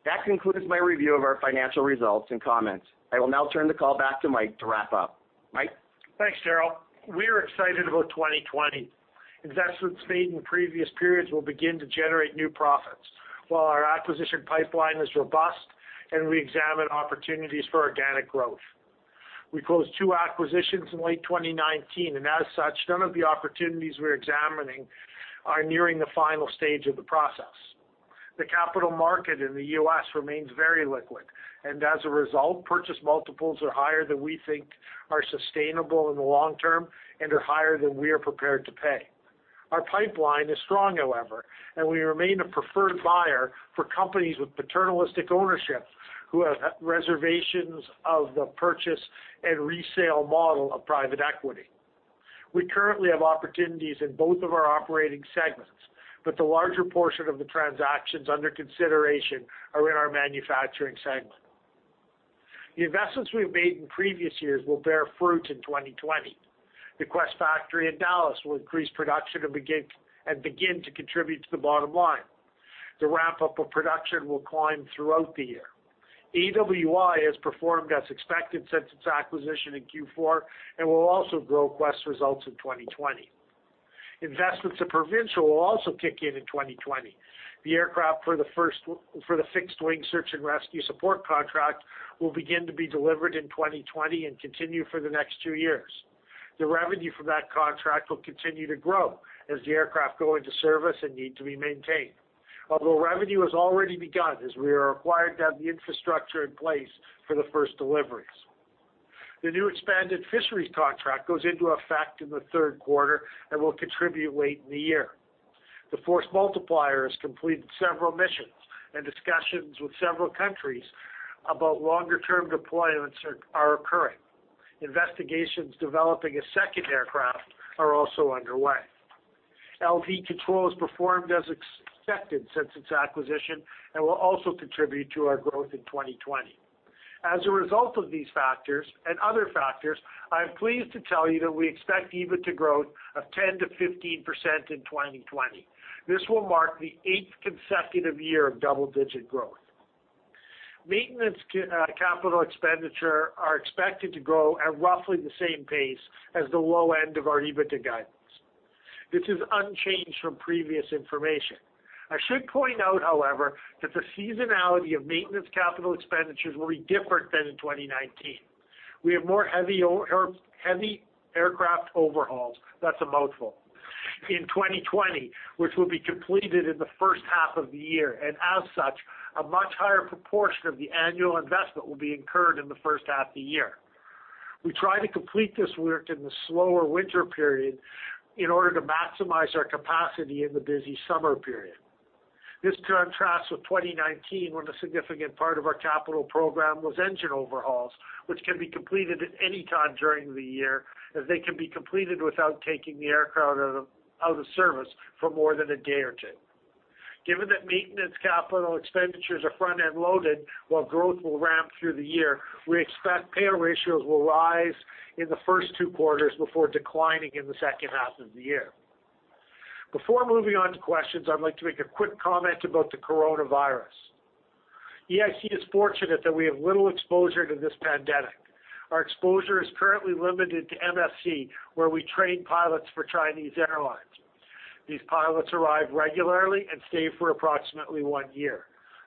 That concludes my review of our financial results and comments. I will now turn the call back to Mike to wrap up. Mike?
Thanks, Darryl. We are excited about 2020. Investments made in previous periods will begin to generate new profits, while our acquisition pipeline is robust, and we examine opportunities for organic growth. We closed two acquisitions in late 2019, and as such, none of the opportunities we're examining are nearing the final stage of the process. The capital market in the U.S. remains very liquid, and as a result, purchase multiples are higher than we think are sustainable in the long term and are higher than we are prepared to pay. Our pipeline is strong, however, and we remain a preferred buyer for companies with paternalistic ownership who have reservations of the purchase and resale model of private equity. We currently have opportunities in both of our operating segments, but the larger portion of the transactions under consideration are in our manufacturing segment. The investments we have made in previous years will bear fruit in 2020. The Quest factory in Dallas will increase production and begin to contribute to the bottom line. The ramp-up of production will climb throughout the year. AWI has performed as expected since its acquisition in Q4 and will also grow Quest results in 2020. Investments in Provincial will also kick in in 2020. The aircraft for the Fixed-Wing Search and Rescue Support Contract will begin to be delivered in 2020 and continue for the next two years. The revenue from that contract will continue to grow as the aircraft go into service and need to be maintained. Although revenue has already begun as we are required to have the infrastructure in place for the first deliveries. The new expanded Fisheries Contract goes into effect in the third quarter and will contribute late in the year. The Force Multiplier has completed several missions, and discussions with several countries about longer-term deployments are occurring. Investigations developing a second aircraft are also underway. L.V. Control has performed as expected since its acquisition and will also contribute to our growth in 2020. As a result of these factors and other factors, I'm pleased to tell you that we expect EBITDA growth of 10%-15% in 2020. This will mark the eighth consecutive year of double-digit growth. Maintenance capital expenditure are expected to grow at roughly the same pace as the low end of our EBITDA guidance. This is unchanged from previous information. I should point out, however, that the seasonality of maintenance capital expenditures will be different than in 2019. We have more heavy aircraft overhauls, that's a mouthful, in 2020, which will be completed in the first half of the year. As such, a much higher proportion of the annual investment will be incurred in the first half of the year. We try to complete this work in the slower winter period in order to maximize our capacity in the busy summer period. This contrasts with 2019, when a significant part of our capital program was engine overhauls, which can be completed at any time during the year, as they can be completed without taking the aircraft out of service for more than a day or two. Given that maintenance capital expenditures are front-end loaded, while growth will ramp through the year, we expect payout ratios will rise in the first two quarters before declining in the second half of the year. Before moving on to questions, I'd like to make a quick comment about the coronavirus. EIC is fortunate that we have little exposure to this pandemic. Our exposure is currently limited to MFC, where we train pilots for Chinese airlines. These pilots arrive regularly and stay for approximately one year.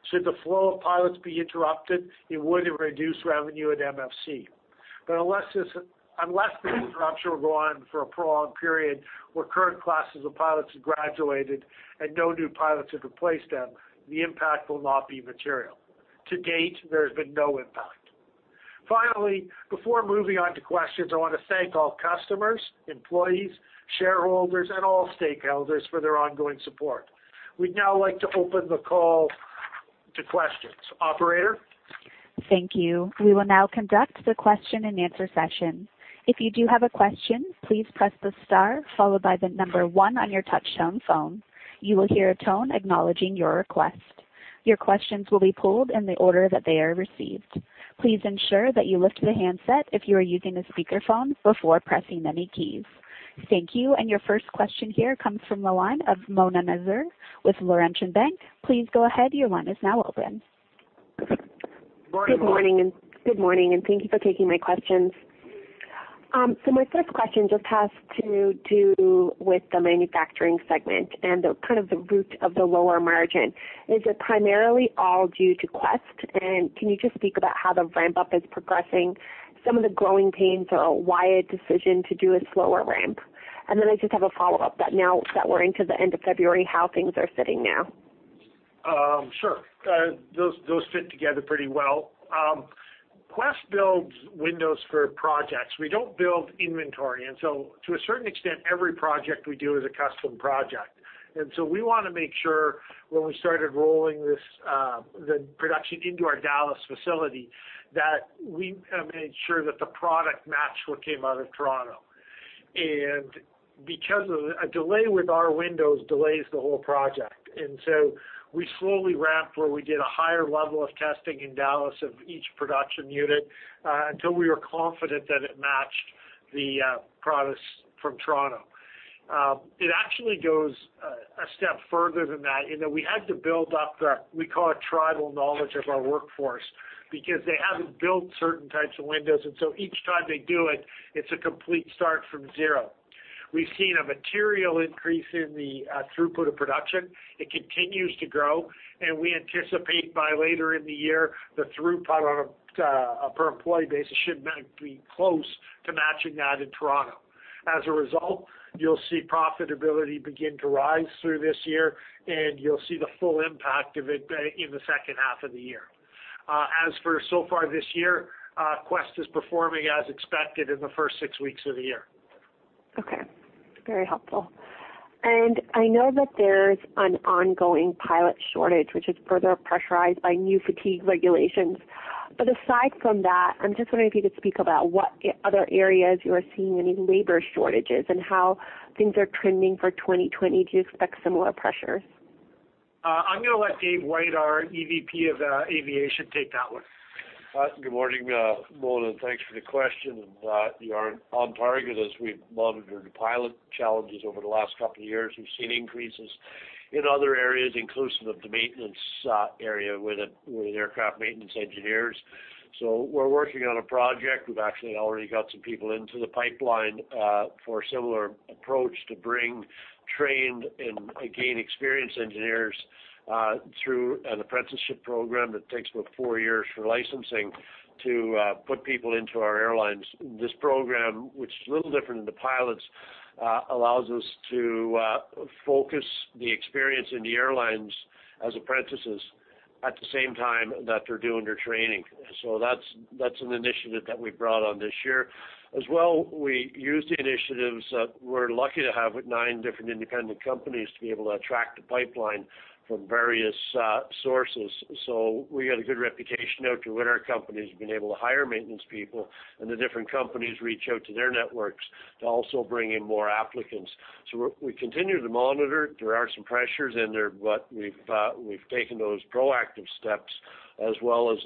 Should the flow of pilots be interrupted, it would reduce revenue at MFC. Unless this interruption will go on for a prolonged period where current classes of pilots have graduated and no new pilots have replaced them, the impact will not be material. To date, there has been no impact. Finally, before moving on to questions, I want to thank all customers, employees, shareholders, and all stakeholders for their ongoing support. We'd now like to open the call to questions. Operator?
Thank you. We will now conduct the question-and-answer session. If you do have a question, please press the star followed by the number one on your touchtone phone. You will hear a tone acknowledging your request. Your questions will be pooled in the order that they are received. Please ensure that you lift the handset if you are using a speakerphone before pressing any keys. Thank you, and your first question here comes from the line of Mona Nazir with Laurentian Bank. Please go ahead, your line is now open.
Morning, Mona.
Good morning and thank you for taking my questions. My first question just has to do with the manufacturing segment and the root of the lower margin. Is it primarily all due to Quest? Can you just speak about how the ramp-up is progressing, some of the growing pains or why a decision to do a slower ramp? Then I just have a follow-up that now that we're into the end of February, how things are sitting now?
Sure. Those fit together pretty well. Quest builds windows for projects. We don't build inventory. To a certain extent, every project we do is a custom project. We want to make sure when we started rolling the production into our Dallas facility, that we made sure that the product matched what came out of Toronto. Because a delay with our windows delays the whole project. We slowly ramped where we did a higher level of testing in Dallas of each production unit, until we were confident that it matched the products from Toronto. It actually goes a step further than that, in that we had to build up the, we call it tribal knowledge of our workforce, because they haven't built certain types of windows. Each time they do it's a complete start from zero. We've seen a material increase in the throughput of production. It continues to grow, and we anticipate by later in the year, the throughput on a per employee basis should be close to matching that in Toronto. As a result, you'll see profitability begin to rise through this year, and you'll see the full impact of it in the second half of the year. As for so far this year, Quest is performing as expected in the first six weeks of the year.
Okay. Very helpful. I know that there's an ongoing pilot shortage, which is further pressurized by new fatigue regulations. Aside from that, I'm just wondering if you could speak about what other areas you are seeing any labor shortages and how things are trending for 2020. Do you expect similar pressures?
I'm going to let Dave White, our EVP of Aviation, take that one.
Good morning, Mona, thanks for the question. You are on target as we've monitored the pilot challenges over the last couple of years. We've seen increases in other areas inclusive of the maintenance area with aircraft maintenance engineers. We're working on a project. We've actually already got some people into the pipeline, for a similar approach to bring trained and again, experienced engineers, through an apprenticeship program that takes about four years for licensing. To put people into our airlines. This program, which is a little different than the pilots, allows us to focus the experience in the airlines as apprentices at the same time that they're doing their training. That's an initiative that we've brought on this year. As well, we use the initiatives that we're lucky to have with nine different independent companies to be able to attract the pipeline from various sources. We got a good reputation out to where our companies have been able to hire maintenance people, and the different companies reach out to their networks to also bring in more applicants. We continue to monitor. There are some pressures in there, but we've taken those proactive steps as well as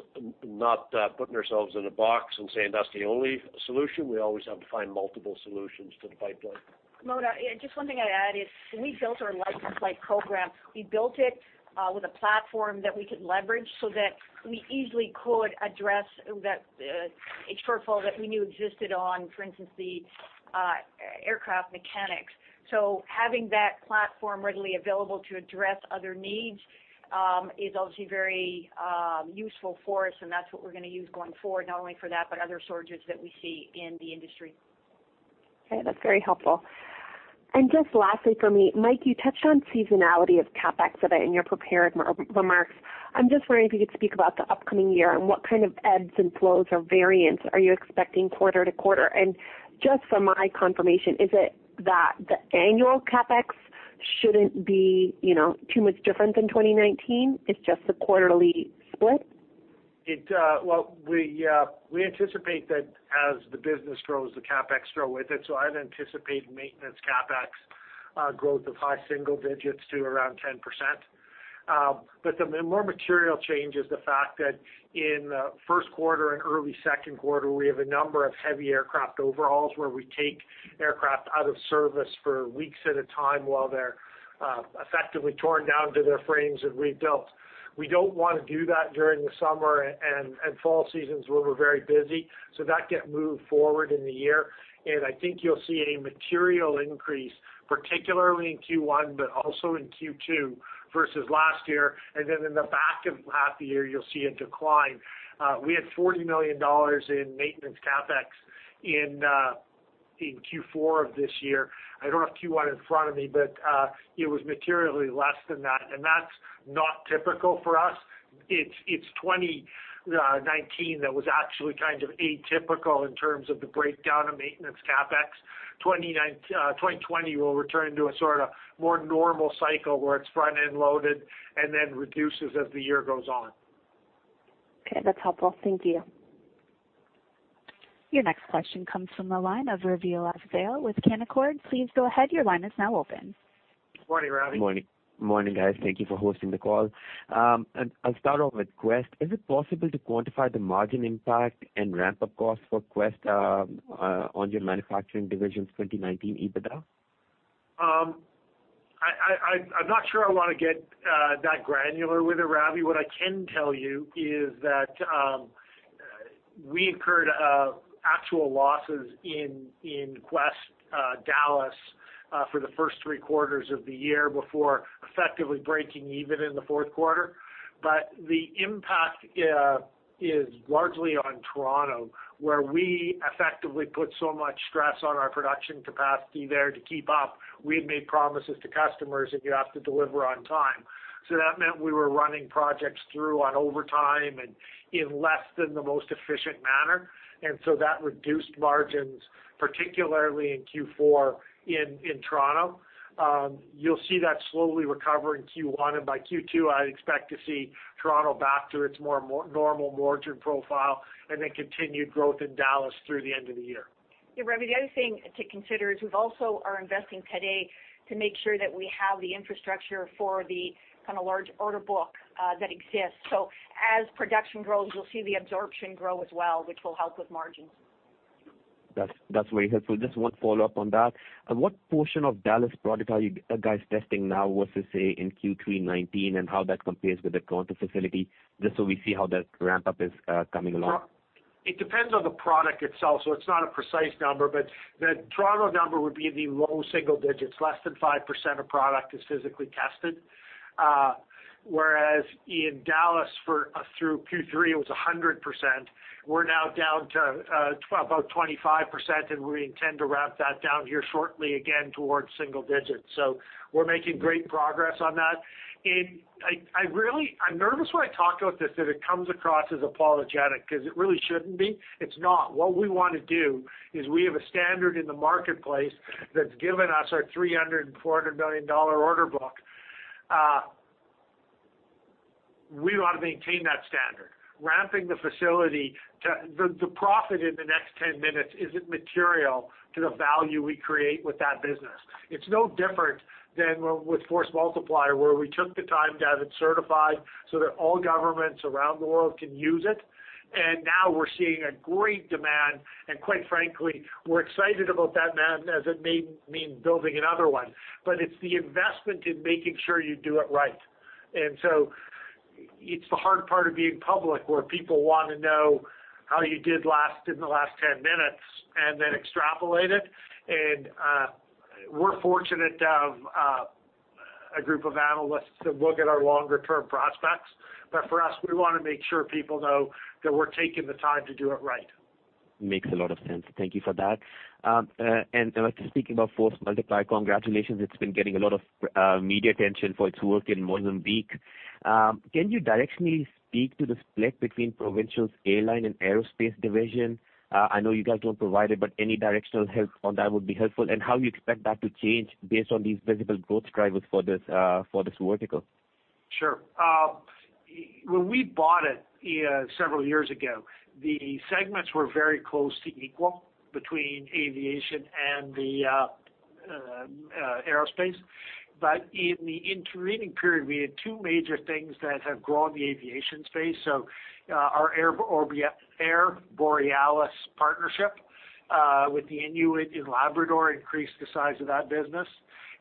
not putting ourselves in a box and saying that's the only solution. We always have to find multiple solutions to the pipeline.
Mona, just one thing I'd add is when we built our Life in Flight program, we built it with a platform that we could leverage that we easily could address a shortfall that we knew existed on, for instance, the aircraft mechanics. Having that platform readily available to address other needs is obviously very useful for us, and that's what we're going to use going forward, not only for that, but other shortages that we see in the industry.
Okay, that's very helpful. Just lastly from me, Mike, you touched on seasonality of CapEx a bit in your prepared remarks. I'm just wondering if you could speak about the upcoming year and what kind of ebbs and flows or variants are you expecting quarter-to-quarter? Just for my confirmation, is it that the annual CapEx shouldn't be too much different than 2019? It's just the quarterly split?
Well, we anticipate that as the business grows, the CapEx grow with it. I'd anticipate maintenance CapEx growth of high single digits to around 10%. The more material change is the fact that in first quarter and early second quarter, we have a number of heavy aircraft overhauls where we take aircraft out of service for weeks at a time while they're effectively torn down to their frames and rebuilt. We don't want to do that during the summer and fall seasons where we're very busy, so that get moved forward in the year. I think you'll see a material increase, particularly in Q1, but also in Q2 versus last year. In the back half of the year, you'll see a decline. We had 40 million dollars in maintenance CapEx in Q4 of this year. I don't have Q1 in front of me, but it was materially less than that, and that's not typical for us. It's 2019 that was actually kind of atypical in terms of the breakdown of maintenance CapEx. 2020 will return to a sort of more normal cycle where it's front-end loaded and then reduces as the year goes on.
Okay, that's helpful. Thank you.
Your next question comes from the line of Raveel Afzaal with Canaccord. Please go ahead, your line is now open.
Morning, Raveel.
Morning, guys. Thank you for hosting the call. I'll start off with Quest. Is it possible to quantify the margin impact and ramp-up cost for Quest on your manufacturing divisions 2019 EBITDA?
I'm not sure I want to get that granular with it, Raveel. What I can tell you is that we incurred actual losses in Quest Dallas for the first three quarters of the year before effectively breaking even in the fourth quarter. The impact is largely on Toronto, where we effectively put so much stress on our production capacity there to keep up. We had made promises to customers that you have to deliver on time. That meant we were running projects through on overtime and in less than the most efficient manner. That reduced margins, particularly in Q4 in Toronto. You'll see that slowly recover in Q1, and by Q2, I'd expect to see Toronto back to its more normal margin profile and then continued growth in Dallas through the end of the year.
Yeah, Raveel, the other thing to consider is we also are investing today to make sure that we have the infrastructure for the large order book that exists. As production grows, you'll see the absorption grow as well, which will help with margins.
That's very helpful. Just one follow-up on that. What portion of Dallas product are you guys testing now versus, say, in Q3 2019 and how that compares with the Toronto facility, just so we see how that ramp-up is coming along?
It depends on the product itself. It's not a precise number, but the Toronto number would be in the low single digits. Less than 5% of product is physically tested. Whereas in Dallas, through Q3, it was 100%. We're now down to about 25%, and we intend to ramp that down here shortly again towards single digits. We're making great progress on that. I'm nervous when I talk about this that it comes across as apologetic because it really shouldn't be. It's not. What we want to do is we have a standard in the marketplace that's given us our 300 million dollar, 400 million dollar order book. We want to maintain that standard. Ramping the facility to profit in the next 10-minutes isn't material to the value we create with that business. It's no different than with Force Multiplier, where we took the time to have it certified so that all governments around the world can use it. Now we're seeing a great demand, and quite frankly, we're excited about that demand as it may mean building another one. It's the investment in making sure you do it right. It's the hard part of being public where people want to know how you did in the last 10- minutes and then extrapolate it. We're fortunate to have A group of analysts that look at our longer-term prospects. For us, we want to make sure people know that we're taking the time to do it right.
Makes a lot of sense. Thank you for that. Just speaking about Force Multiplier, congratulations. It has been getting a lot of media attention for its work in Mozambique. Can you directionally speak to the split between Provincial’s airline and aerospace division? I know you guys do not provide it, but any directional help on that would be helpful, and how you expect that to change based on these visible growth drivers for this vertical.
Sure. When we bought it several years ago, the segments were very close to equal between aviation and the aerospace. In the intervening period, we had two major things that have grown the aviation space. Our Air Borealis partnership with the Inuit in Labrador increased the size of that business.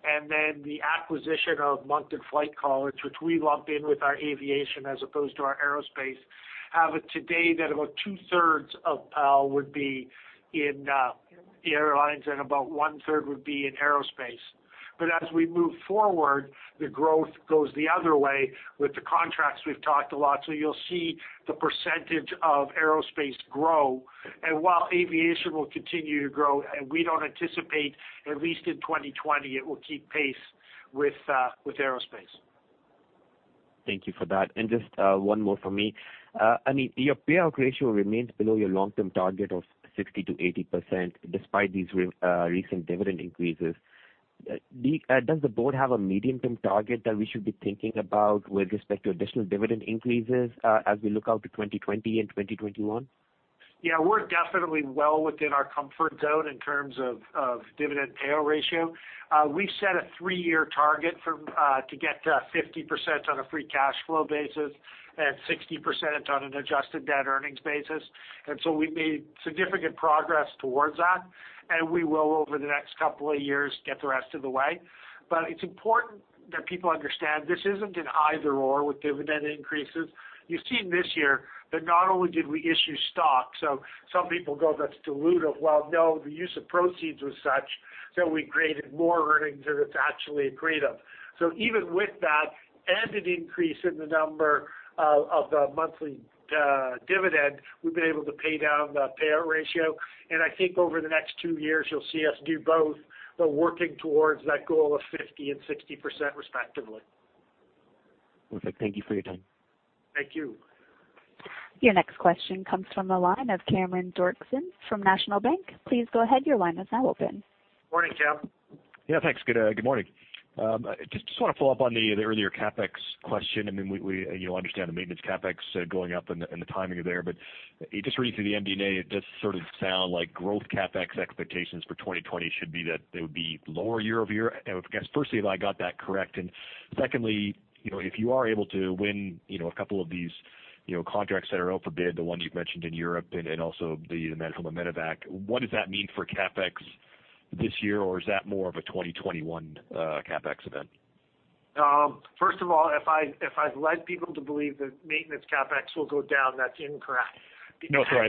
The acquisition of Moncton Flight College, which we lump in with our aviation as opposed to our aerospace, have it today that about 2/3 of PAL would be in the airlines and about 1/3 would be in aerospace. As we move forward, the growth goes the other way with the contracts we've talked a lot. You'll see the percentage of aerospace grow, and while aviation will continue to grow, and we don't anticipate, at least in 2020, it will keep pace with aerospace.
Thank you for that. Just one more from me. I mean, your payout ratio remains below your long-term target of 60%-80%, despite these recent dividend increases. Does the board have a medium-term target that we should be thinking about with respect to additional dividend increases as we look out to 2020 and 2021?
Yeah, we're definitely well within our comfort zone in terms of dividend payout ratio. We've set a three-year target to get to 50% on a free cash flow basis and 60% on an adjusted debt earnings basis. We've made significant progress towards that, and we will, over the next couple of years, get the rest of the way. It's important that people understand this isn't an either/or with dividend increases. You've seen this year that not only did we issue stock, so some people go, "That's dilutive." Well, no, the use of proceeds was such that we created more earnings than it's actually accretive. So even with that and an increase in the number of the monthly dividend, we've been able to pay down the payout ratio. I think over the next two years, you'll see us do both. We're working towards that goal of 50% and 60%, respectively.
Perfect. Thank you for your time.
Thank you.
Your next question comes from the line of Cameron Doerksen from National Bank Financial. Please go ahead. Your line is now open.
Morning, Cam.
Yeah, thanks. Good morning. Want to follow up on the earlier CapEx question. I mean, we understand the maintenance CapEx going up and the timing there. Reading through the MD&A, it does sort of sound like growth CapEx expectations for 2020 should be that they would be lower year-over-year. I guess firstly, have I got that correct? Secondly, if you are able to win a couple of these contracts that are out for bid, the ones you've mentioned in Europe and also the Manitoba Medevac, what does that mean for CapEx this year? Is that more of a 2021 CapEx event?
First of all, if I've led people to believe that maintenance CapEx will go down, that's incorrect.
No, sorry.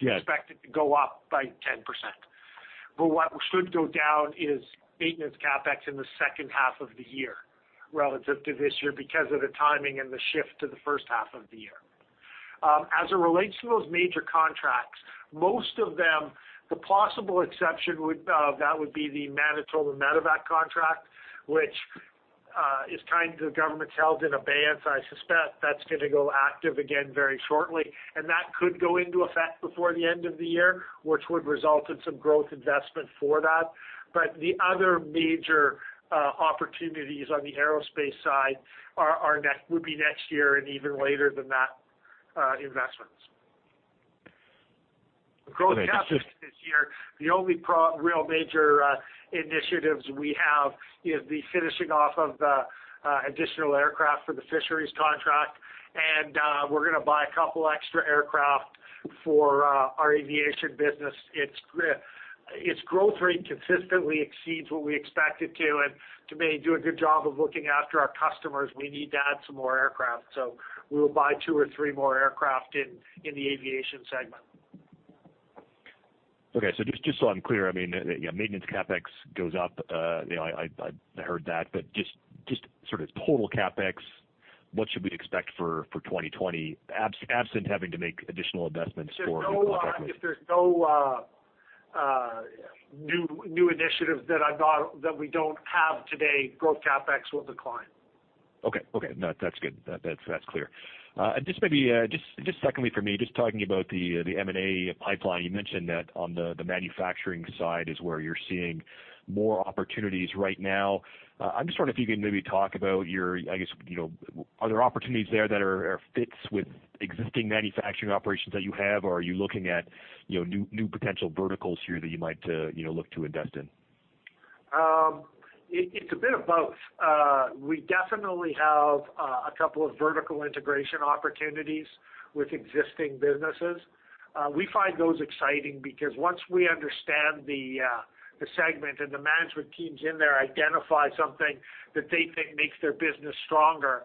Yeah.
Because maintenance CapEx is expected to go up by 10%. What should go down is maintenance CapEx in the second half of the year relative to this year because of the timing and the shift to the first half of the year. As it relates to those major contracts, most of them, the possible exception of that would be the Manitoba Medevac contract, which is kind of the government's held in abeyance. I suspect that's going to go active again very shortly, and that could go into effect before the end of the year, which would result in some growth investment for that. The other major opportunities on the aerospace side would be next year and even later than that investments.
Okay.
Growth CapEx this year, the only real major initiatives we have is the finishing off of the additional aircraft for the fisheries contract, and we're going to buy a couple extra aircraft for our aviation business. Its growth rate consistently exceeds what we expect it to, and to do a good job of looking after our customers, we need to add some more aircraft. We will buy two or three more aircraft in the aviation segment.
Okay. Just so I'm clear, I mean, yeah, maintenance CapEx goes up. I heard that, but just sort of total CapEx, what should we expect for 2020, absent having to make additional investments for new contracts?
If there's no new initiatives that we don't have today, growth CapEx will decline.
Okay. No, that's good. That's clear. Just secondly for me, just talking about the M&A pipeline, you mentioned that on the manufacturing side is where you're seeing more opportunities right now. I'm just wondering if you can maybe talk about your, I guess, are there opportunities there that are fits with existing manufacturing operations that you have, or are you looking at new potential verticals here that you might look to invest in?
It's a bit of both. We definitely have a couple of vertical integration opportunities with existing businesses. We find those exciting because once we understand the segment and the management teams in there identify something that they think makes their business stronger,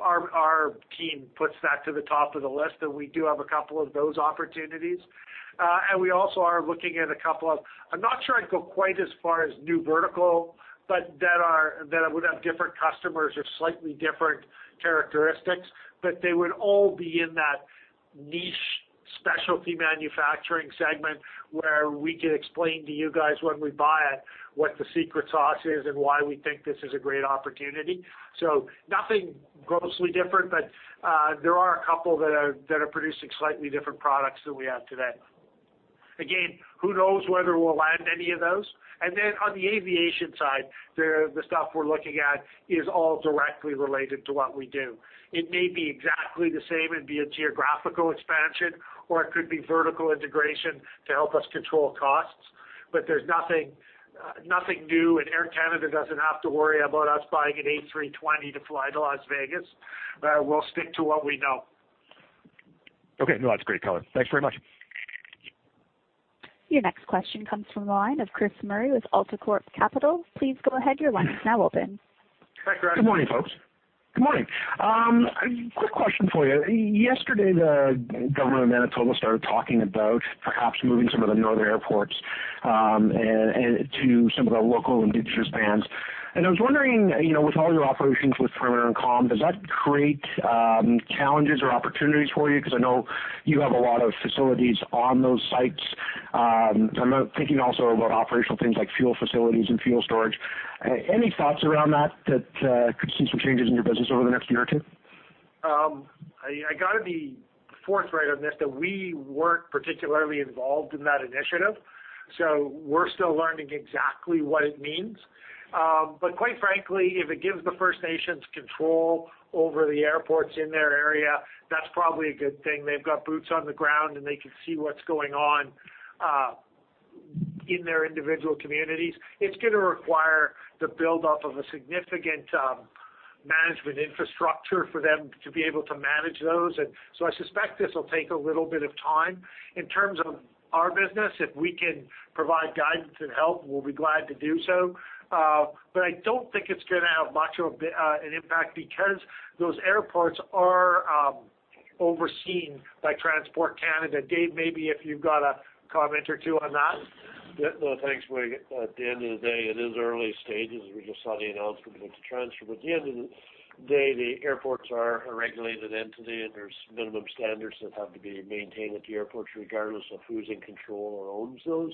our team puts that to the top of the list, and we do have a couple of those opportunities. We also are looking at a couple of, I'm not sure I'd go quite as far as new vertical, but that would have different customers or slightly different characteristics. They would all be in that niche specialty manufacturing segment where we could explain to you guys when we buy it, what the secret sauce is and why we think this is a great opportunity. Nothing grossly different, but there are a couple that are producing slightly different products than we have today. Who knows whether we'll land any of those. On the aviation side, the stuff we're looking at is all directly related to what we do. It may be exactly the same and be a geographical expansion, or it could be vertical integration to help us control costs. There's nothing new, and Air Canada doesn't have to worry about us buying an A320 to fly to Las Vegas. We'll stick to what we know.
Okay. No, that's great, color. Thanks very much.
Your next question comes from the line of Chris Murray with AltaCorp Capital. Please go ahead, your line is now open.
Hi, Chris.
Good morning, folks. Good morning. Quick question for you. Yesterday, the government of Manitoba started talking about perhaps moving some of the northern airports to some of the local Indigenous bands. I was wondering, with all your operations with Perimeter and Calm, does that create challenges or opportunities for you? Because I know you have a lot of facilities on those sites. I'm thinking also about operational things like fuel facilities and fuel storage. Any thoughts around that could see some changes in your business over the next year or two?
I got to be forthright on this, that we weren't particularly involved in that initiative, so we're still learning exactly what it means. Quite frankly, if it gives the First Nations control over the airports in their area, that's probably a good thing. They've got boots on the ground, and they can see what's going on in their individual communities. It's going to require the buildup of a significant management infrastructure for them to be able to manage those. I suspect this will take a little bit of time. In terms of our business, if we can provide guidance and help, we'll be glad to do so. I don't think it's going to have much of an impact because those airports are overseen by Transport Canada. Dave, maybe if you've got a comment or two on that.
Yeah. No, thanks, Mike. At the end of the day, it is early stages. We just saw the announcement about the transfer. At the end of the day, the airports are a regulated entity, and there's minimum standards that have to be maintained at the airports regardless of who's in control or owns those.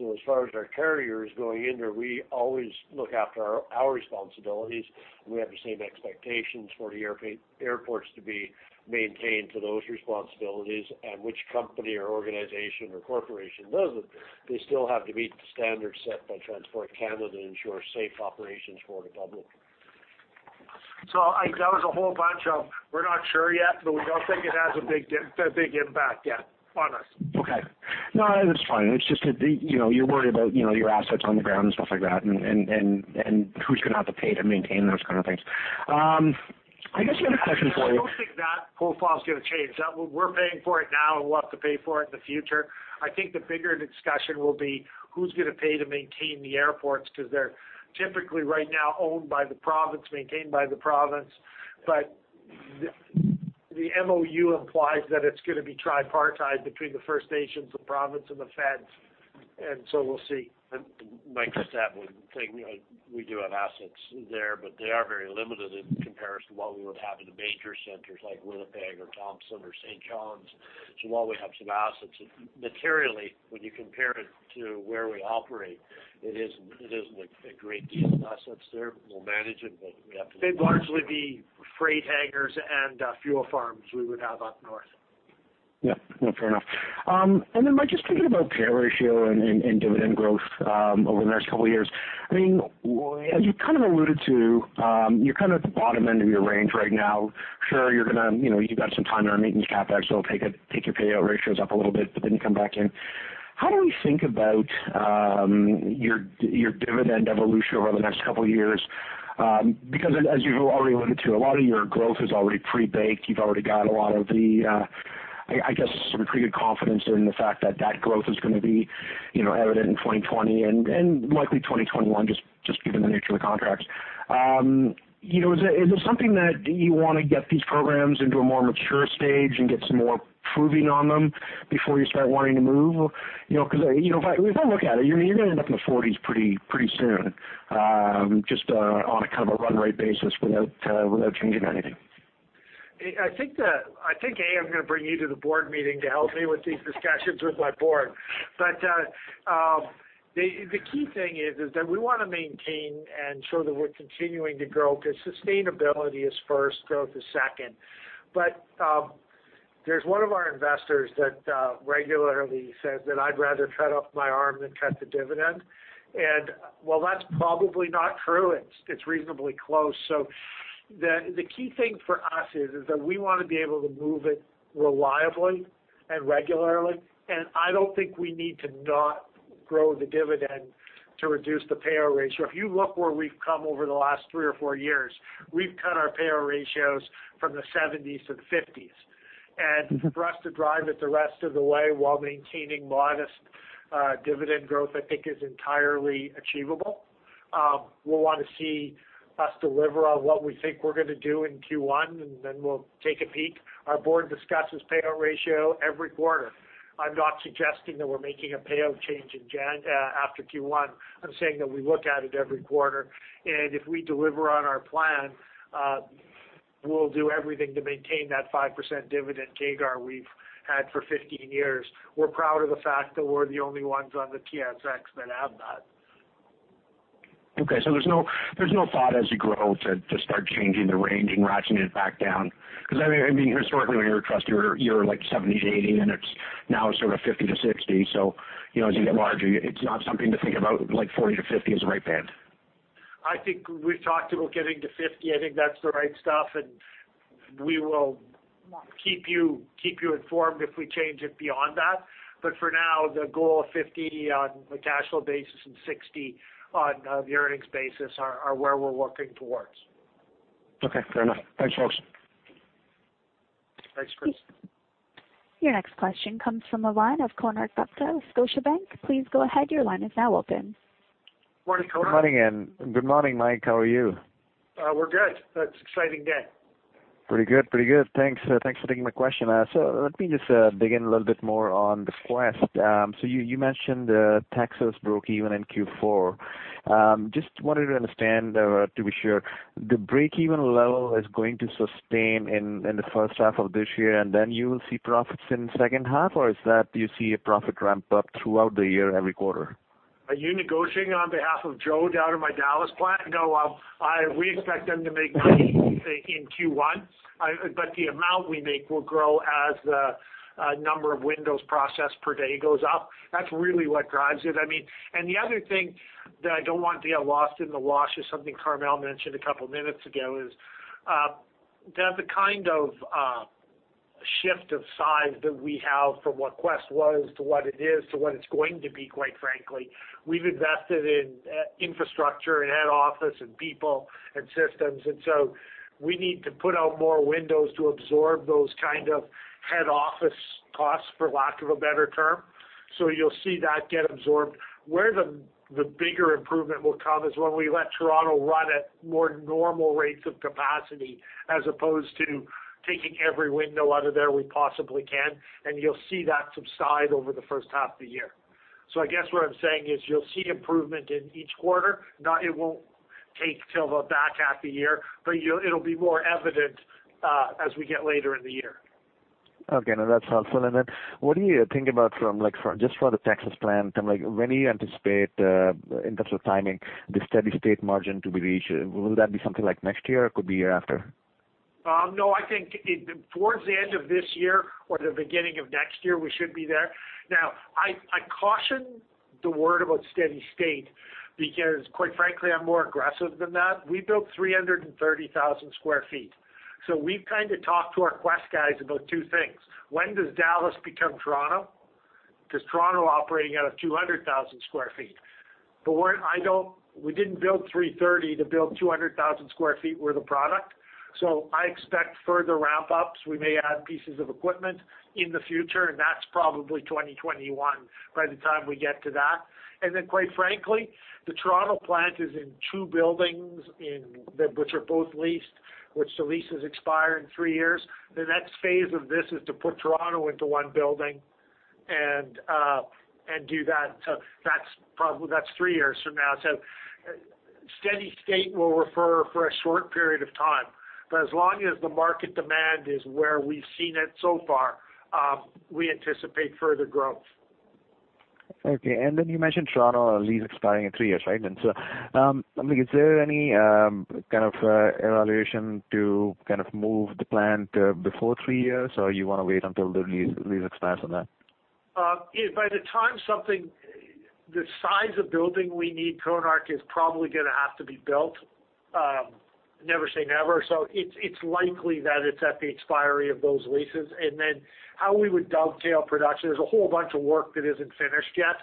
As far as our carriers going in there, we always look after our responsibilities, and we have the same expectations for the airports to be maintained to those responsibilities. Which company or organization or corporation does it, they still have to meet the standards set by Transport Canada to ensure safe operations for the public.
That was a whole bunch of, we're not sure yet, but we don't think it has a big impact yet on us.
No, that's fine. It's just that you're worried about your assets on the ground and stuff like that and who's going to have to pay to maintain those kind of things. I guess the other question for you.
I don't think that profile is going to change. We're paying for it now, and we'll have to pay for it in the future. I think the bigger discussion will be who's going to pay to maintain the airports because they're typically, right now, owned by the province, maintained by the province. The MOU implies that it's going to be tripartited between the First Nations, the province, and the feds. We'll see.
Like I said, we do have assets there, but they are very limited in comparison to what we would have in the major centers like Winnipeg or Thompson or St. John's. While we have some assets, materially, when you compare it to where we operate, it isn't like a great deal of assets there. We'll manage it.
They'd largely be freight hangars and fuel farms we would have up north.
Yeah. No, fair enough. Just thinking about payout ratio and dividend growth over the next couple of years. You kind of alluded to, you're kind of at the bottom end of your range right now. Sure, you've got some time to earn maintenance CapEx that'll take your payout ratios up a little bit, come back in. How do we think about your dividend evolution over the next couple of years? As you already alluded to, a lot of your growth is already pre-baked. You've already got a lot of the, I guess, sort of pretty good confidence in the fact that growth is going to be evident in 2020 and likely 2021, just given the nature of the contracts. Is it something that you want to get these programs into a more mature stage and get some more proving on them before you start wanting to move? If I look at it, you're going to end up in the 40 million pretty soon, just on a kind of a run rate basis without changing anything.
I think, I'm going to bring you to the board meeting to help me with these discussions with my board. The key thing is that we want to maintain and show that we're continuing to grow because sustainability is first, growth is second. There's one of our investors that regularly says that I'd rather cut off my arm than cut the dividend. While that's probably not true, it's reasonably close. The key thing for us is that we want to be able to move it reliably and regularly. I don't think we need to not grow the dividend to reduce the payout ratio. If you look where we've come over the last three or four years, we've cut our payout ratios from the 70%s to the 50%s. For us to drive it the rest of the way while maintaining modest dividend growth, I think is entirely achievable. We'll want to see us deliver on what we think we're going to do in Q1, and then we'll take a peek. Our board discusses payout ratio every quarter. I'm not suggesting that we're making a payout change after Q1. I'm saying that we look at it every quarter, and if we deliver on our plan, we'll do everything to maintain that 5% dividend CAGR we've had for 15 years. We're proud of the fact that we're the only ones on the TSX that have that.
Okay, there's no thought as you grow to start changing the range and ratcheting it back down. Because I mean, historically on your trust, you were 70%-80%, and it's now sort of 50%-60%. As you get larger, it's not something to think about, like 40%-50% is the right band.
I think we've talked about getting to 50%. I think that's the right stuff, we will keep you informed if we change it beyond that. For now, the goal of 50% on a cash flow basis and 60% on the earnings basis are where we're working towards.
Okay. Fair enough. Thanks, folks.
Thanks, Chris.
Your next question comes from the line of Konark Gupta with Scotiabank. Please go ahead, your line is now open.
Morning, Konark.
Good morning, good morning, Mike. How are you?
We're good. It's an exciting day.
Pretty good. Thanks for taking my question. Let me just dig in a little bit more on the Quest. You mentioned Texas broke even in Q4. Just wanted to understand, to be sure, the break-even level is going to sustain in the first half of this year, and then you will see profits in the second half? Or is that you see a profit ramp up throughout the year every quarter?
Are you negotiating on behalf of Joe down in my Dallas plant? No, we expect them to make money in Q1. The amount we make will grow as the number of windows processed per day goes up. That's really what drives it. The other thing that I don't want to get lost in the wash is something Carmele mentioned a couple of minutes ago, is that the kind of shift of size that we have from what Quest was to what it is to what it's going to be, quite frankly, we've invested in infrastructure and head office and people and systems. We need to put out more windows to absorb those kind of head office costs, for lack of a better term. You'll see that get absorbed. Where the bigger improvement will come is when we let Toronto run at more normal rates of capacity, as opposed to taking every window out of there we possibly can, and you'll see that subside over the first half of the year. I guess what I'm saying is you'll see improvement in each quarter. It won't take till the back half of the year, but it'll be more evident as we get later in the year.
Okay. No, that's helpful. Then what do you think about from just for the Texas plant, and when do you anticipate, in terms of timing, the steady state margin to be reached? Will that be something like next year or could be year after?
I think towards the end of this year or the beginning of next year, we should be there. I caution the word about steady state because quite frankly, I'm more aggressive than that. We built 330,000 sq ft. We've kind of talked to our Quest guys about two things. When does Dallas become Toronto? Toronto operating out of 200,000 sq ft. We didn't build 330,000 sq ft to build 200,000 sq ft worth of product. I expect further ramp-ups. We may add pieces of equipment in the future, that's probably 2021 by the time we get to that. Quite frankly, the Toronto plant is in two buildings which are both leased, which the leases expire in three years. The next phase of this is to put Toronto into one building and do that. That's three years from now. Steady state will refer for a short period of time, but as long as the market demand is where we've seen it so far, we anticipate further growth.
You mentioned Toronto lease expiring in three years, right? Is there any kind of evaluation to move the plant before three years, or you want to wait until the lease expires on that?
By the time something the size of building we need, Konark, is probably going to have to be built. Never say never. It's likely that it's at the expiry of those leases. How we would dovetail production, there's a whole bunch of work that isn't finished yet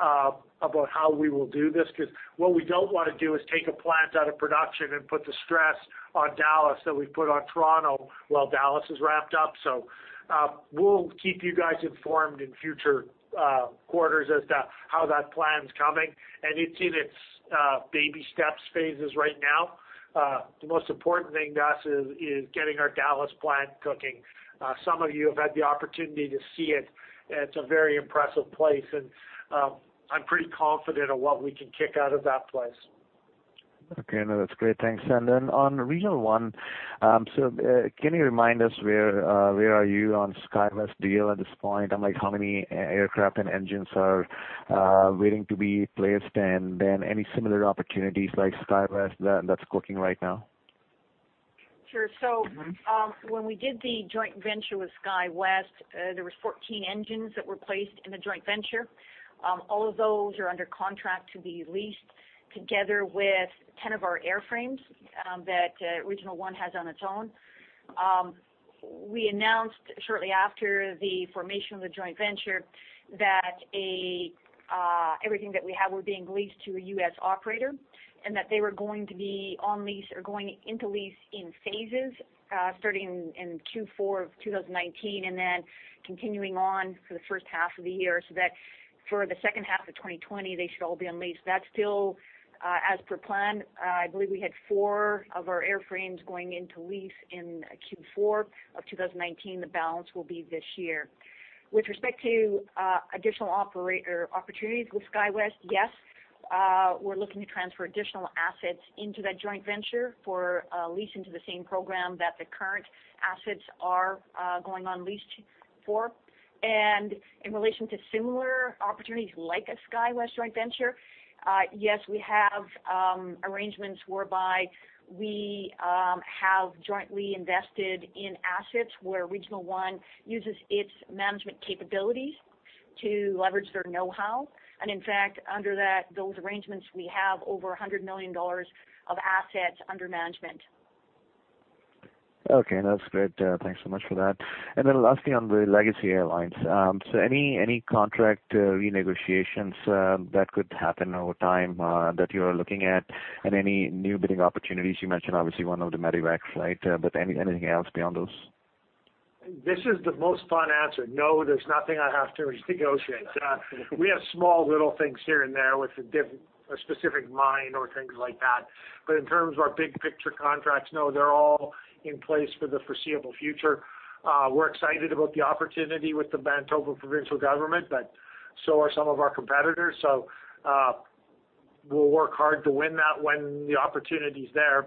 about how we will do this because what we don't want to do is take a plant out of production and put the stress on Dallas that we've put on Toronto while Dallas is ramped up. We'll keep you guys informed in future quarters as to how that plan's coming. It's in its baby steps phases right now. The most important thing to us is getting our Dallas plant cooking. Some of you have had the opportunity to see it. It's a very impressive place, and I'm pretty confident of what we can kick out of that place.
Okay. No, that's great. Thanks. On Regional One, can you remind us where are you on SkyWest deal at this point? How many aircraft and engines are waiting to be placed? Any similar opportunities like SkyWest that's cooking right now?
Sure. When we did the joint venture with SkyWest, there was 14 engines that were placed in the joint venture. All of those are under contract to be leased Together with 10 of our airframes that Regional One has on its own. We announced shortly after the formation of the joint venture that everything that we have were being leased to a U.S. operator, and that they were going to be on lease or going into lease in phases starting in Q4 of 2019 and then continuing on for the first half of the year, so that for the second half of 2020, they should all be on lease. That's still as per plan. I believe we had four of our airframes going into lease in Q4 of 2019. The balance will be this year. With respect to additional operator opportunities with SkyWest, yes, we're looking to transfer additional assets into that joint venture for leasing to the same program that the current assets are going on lease for. In relation to similar opportunities like a SkyWest joint venture, yes, we have arrangements whereby we have jointly invested in assets where Regional One uses its management capabilities to leverage their knowhow. In fact, under those arrangements, we have over 100 million dollars of assets under management.
Okay, that's great. Thanks so much for that. Lastly, on the Legacy Airlines. Any contract renegotiations that could happen over time that you are looking at and any new bidding opportunities? You mentioned obviously one of the medevacs, right? Anything else beyond those?
This is the most fun answer. No, there's nothing I have to renegotiate. We have small little things here and there with a specific mine or things like that. In terms of our big picture contracts, no, they're all in place for the foreseeable future. We're excited about the opportunity with the Manitoba provincial government, but so are some of our competitors, so we'll work hard to win that when the opportunity's there.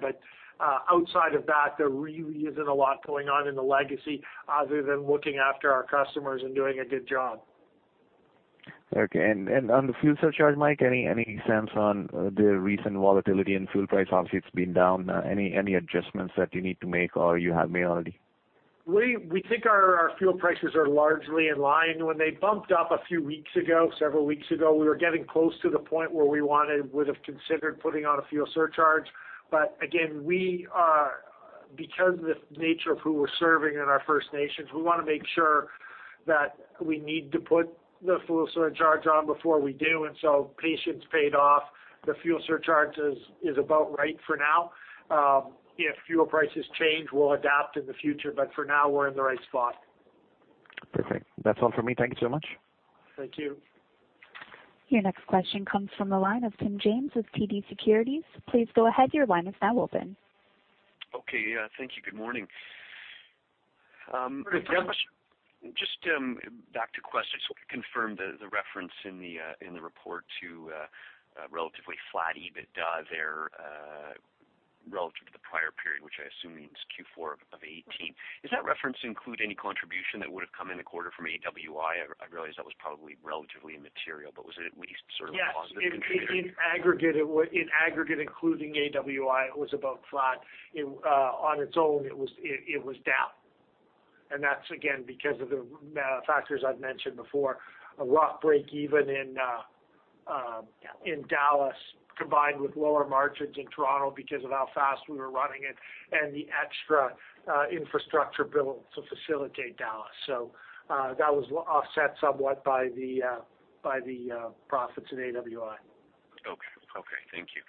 Outside of that, there really isn't a lot going on in the Legacy other than looking after our customers and doing a good job.
Okay. On the fuel surcharge, Mike, any sense on the recent volatility in fuel price? Obviously, it’s been down. Any adjustments that you need to make, or you have made already?
We think our fuel prices are largely in line. When they bumped up a few weeks ago, several weeks ago, we were getting close to the point where we would have considered putting on a fuel surcharge. Again, because of the nature of who we're serving in our First Nations, we want to make sure that we need to put the fuel surcharge on before we do. Patience paid off. The fuel surcharge is about right for now. If fuel prices change, we'll adapt in the future, but for now, we're in the right spot.
Perfect. That's all for me. Thank you so much.
Thank you.
Your next question comes from the line of Tim James with TD Securities. Please go ahead, your line is now open.
Okay. Thank you. Good morning.
Good morning, Tim.
Just back to Quest. I just want to confirm the reference in the report to a relatively flat EBITDA there relative to the prior period, which I assume means Q4 of 2018. Does that reference include any contribution that would've come in the quarter from AWI? I realize that was probably relatively immaterial, but was it at least sort of a positive contributor?
Yes. In aggregate including AWI, it was about flat. On its own, it was down. That's, again, because of the factors I've mentioned before. A rough break even in Dallas, combined with lower margins in Toronto because of how fast we were running it and the extra infrastructure built to facilitate Dallas. That was offset somewhat by the profits in AWI.
Okay. Thank you.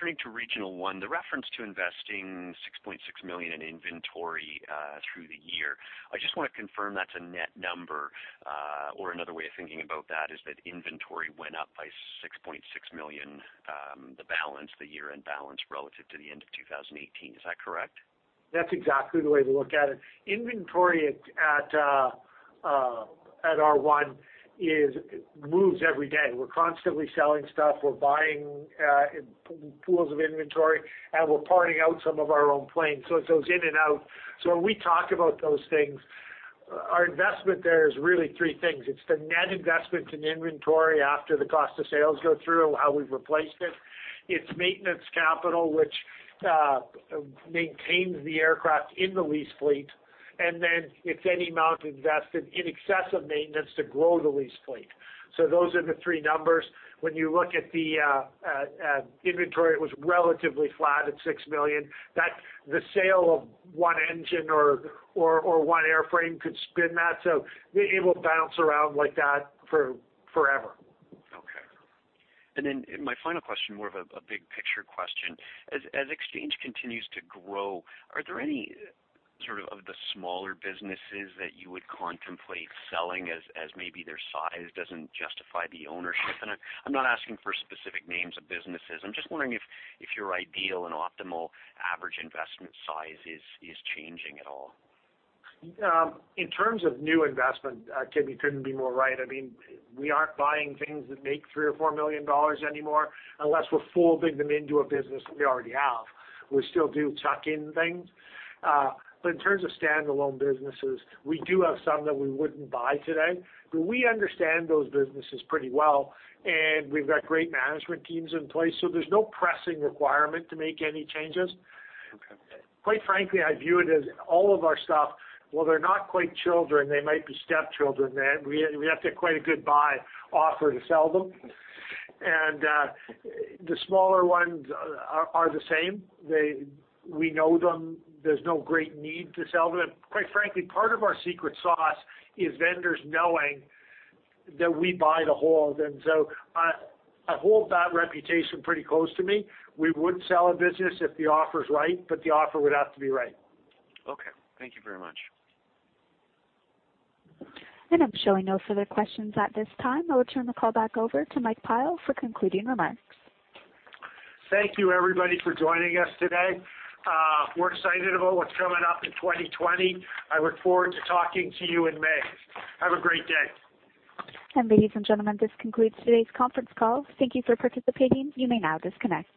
Turning to Regional One, the reference to investing 6.6 million in inventory through the year, I just want to confirm that's a net number. Another way of thinking about that is that inventory went up by 6.6 million the year-end balance relative to the end of 2018. Is that correct?
That's exactly the way to look at it. Inventory at R1 moves every day. We're constantly selling stuff. We're buying pools of inventory, and we're parting out some of our own planes. It goes in and out. When we talk about those things, our investment there is really three things. It's the net investment in inventory after the cost of sales go through and how we've replaced it. It's maintenance capital, which maintains the aircraft in the lease fleet. It's any amount invested in excess of maintenance to grow the lease fleet. Those are the three numbers. When you look at the inventory, it was relatively flat at 6 million. The sale of one engine or one airframe could spin that. It will bounce around like that forever.
Okay. My final question, more of a big picture question. As Exchange continues to grow, are there any of the smaller businesses that you would contemplate selling as maybe their size doesn't justify the ownership? I'm not asking for specific names of businesses. I'm just wondering if your ideal and optimal average investment size is changing at all.
In terms of new investment, Tim, you couldn't be more right. We aren't buying things that make three or four million dollars anymore unless we're folding them into a business that we already have. We still do tuck-in things. In terms of standalone businesses, we do have some that we wouldn't buy today. We understand those businesses pretty well, and we've got great management teams in place, so there's no pressing requirement to make any changes.
Okay.
Quite frankly, I view it as all of our stuff, while they're not quite children, they might be stepchildren, that we have to have quite a good buy offer to sell them. The smaller ones are the same. We know them. There's no great need to sell them. Quite frankly, part of our secret sauce is vendors knowing that we buy the whole. I hold that reputation pretty close to me. We would sell a business if the offer is right, but the offer would have to be right.
Okay. Thank you very much.
I'm showing no further questions at this time. I will turn the call back over to Mike Pyle for concluding remarks.
Thank you everybody for joining us today. We're excited about what's coming up in 2020. I look forward to talking to you in May. Have a great day.
Ladies and gentlemen, this concludes today's conference call. Thank you for participating. You may now disconnect.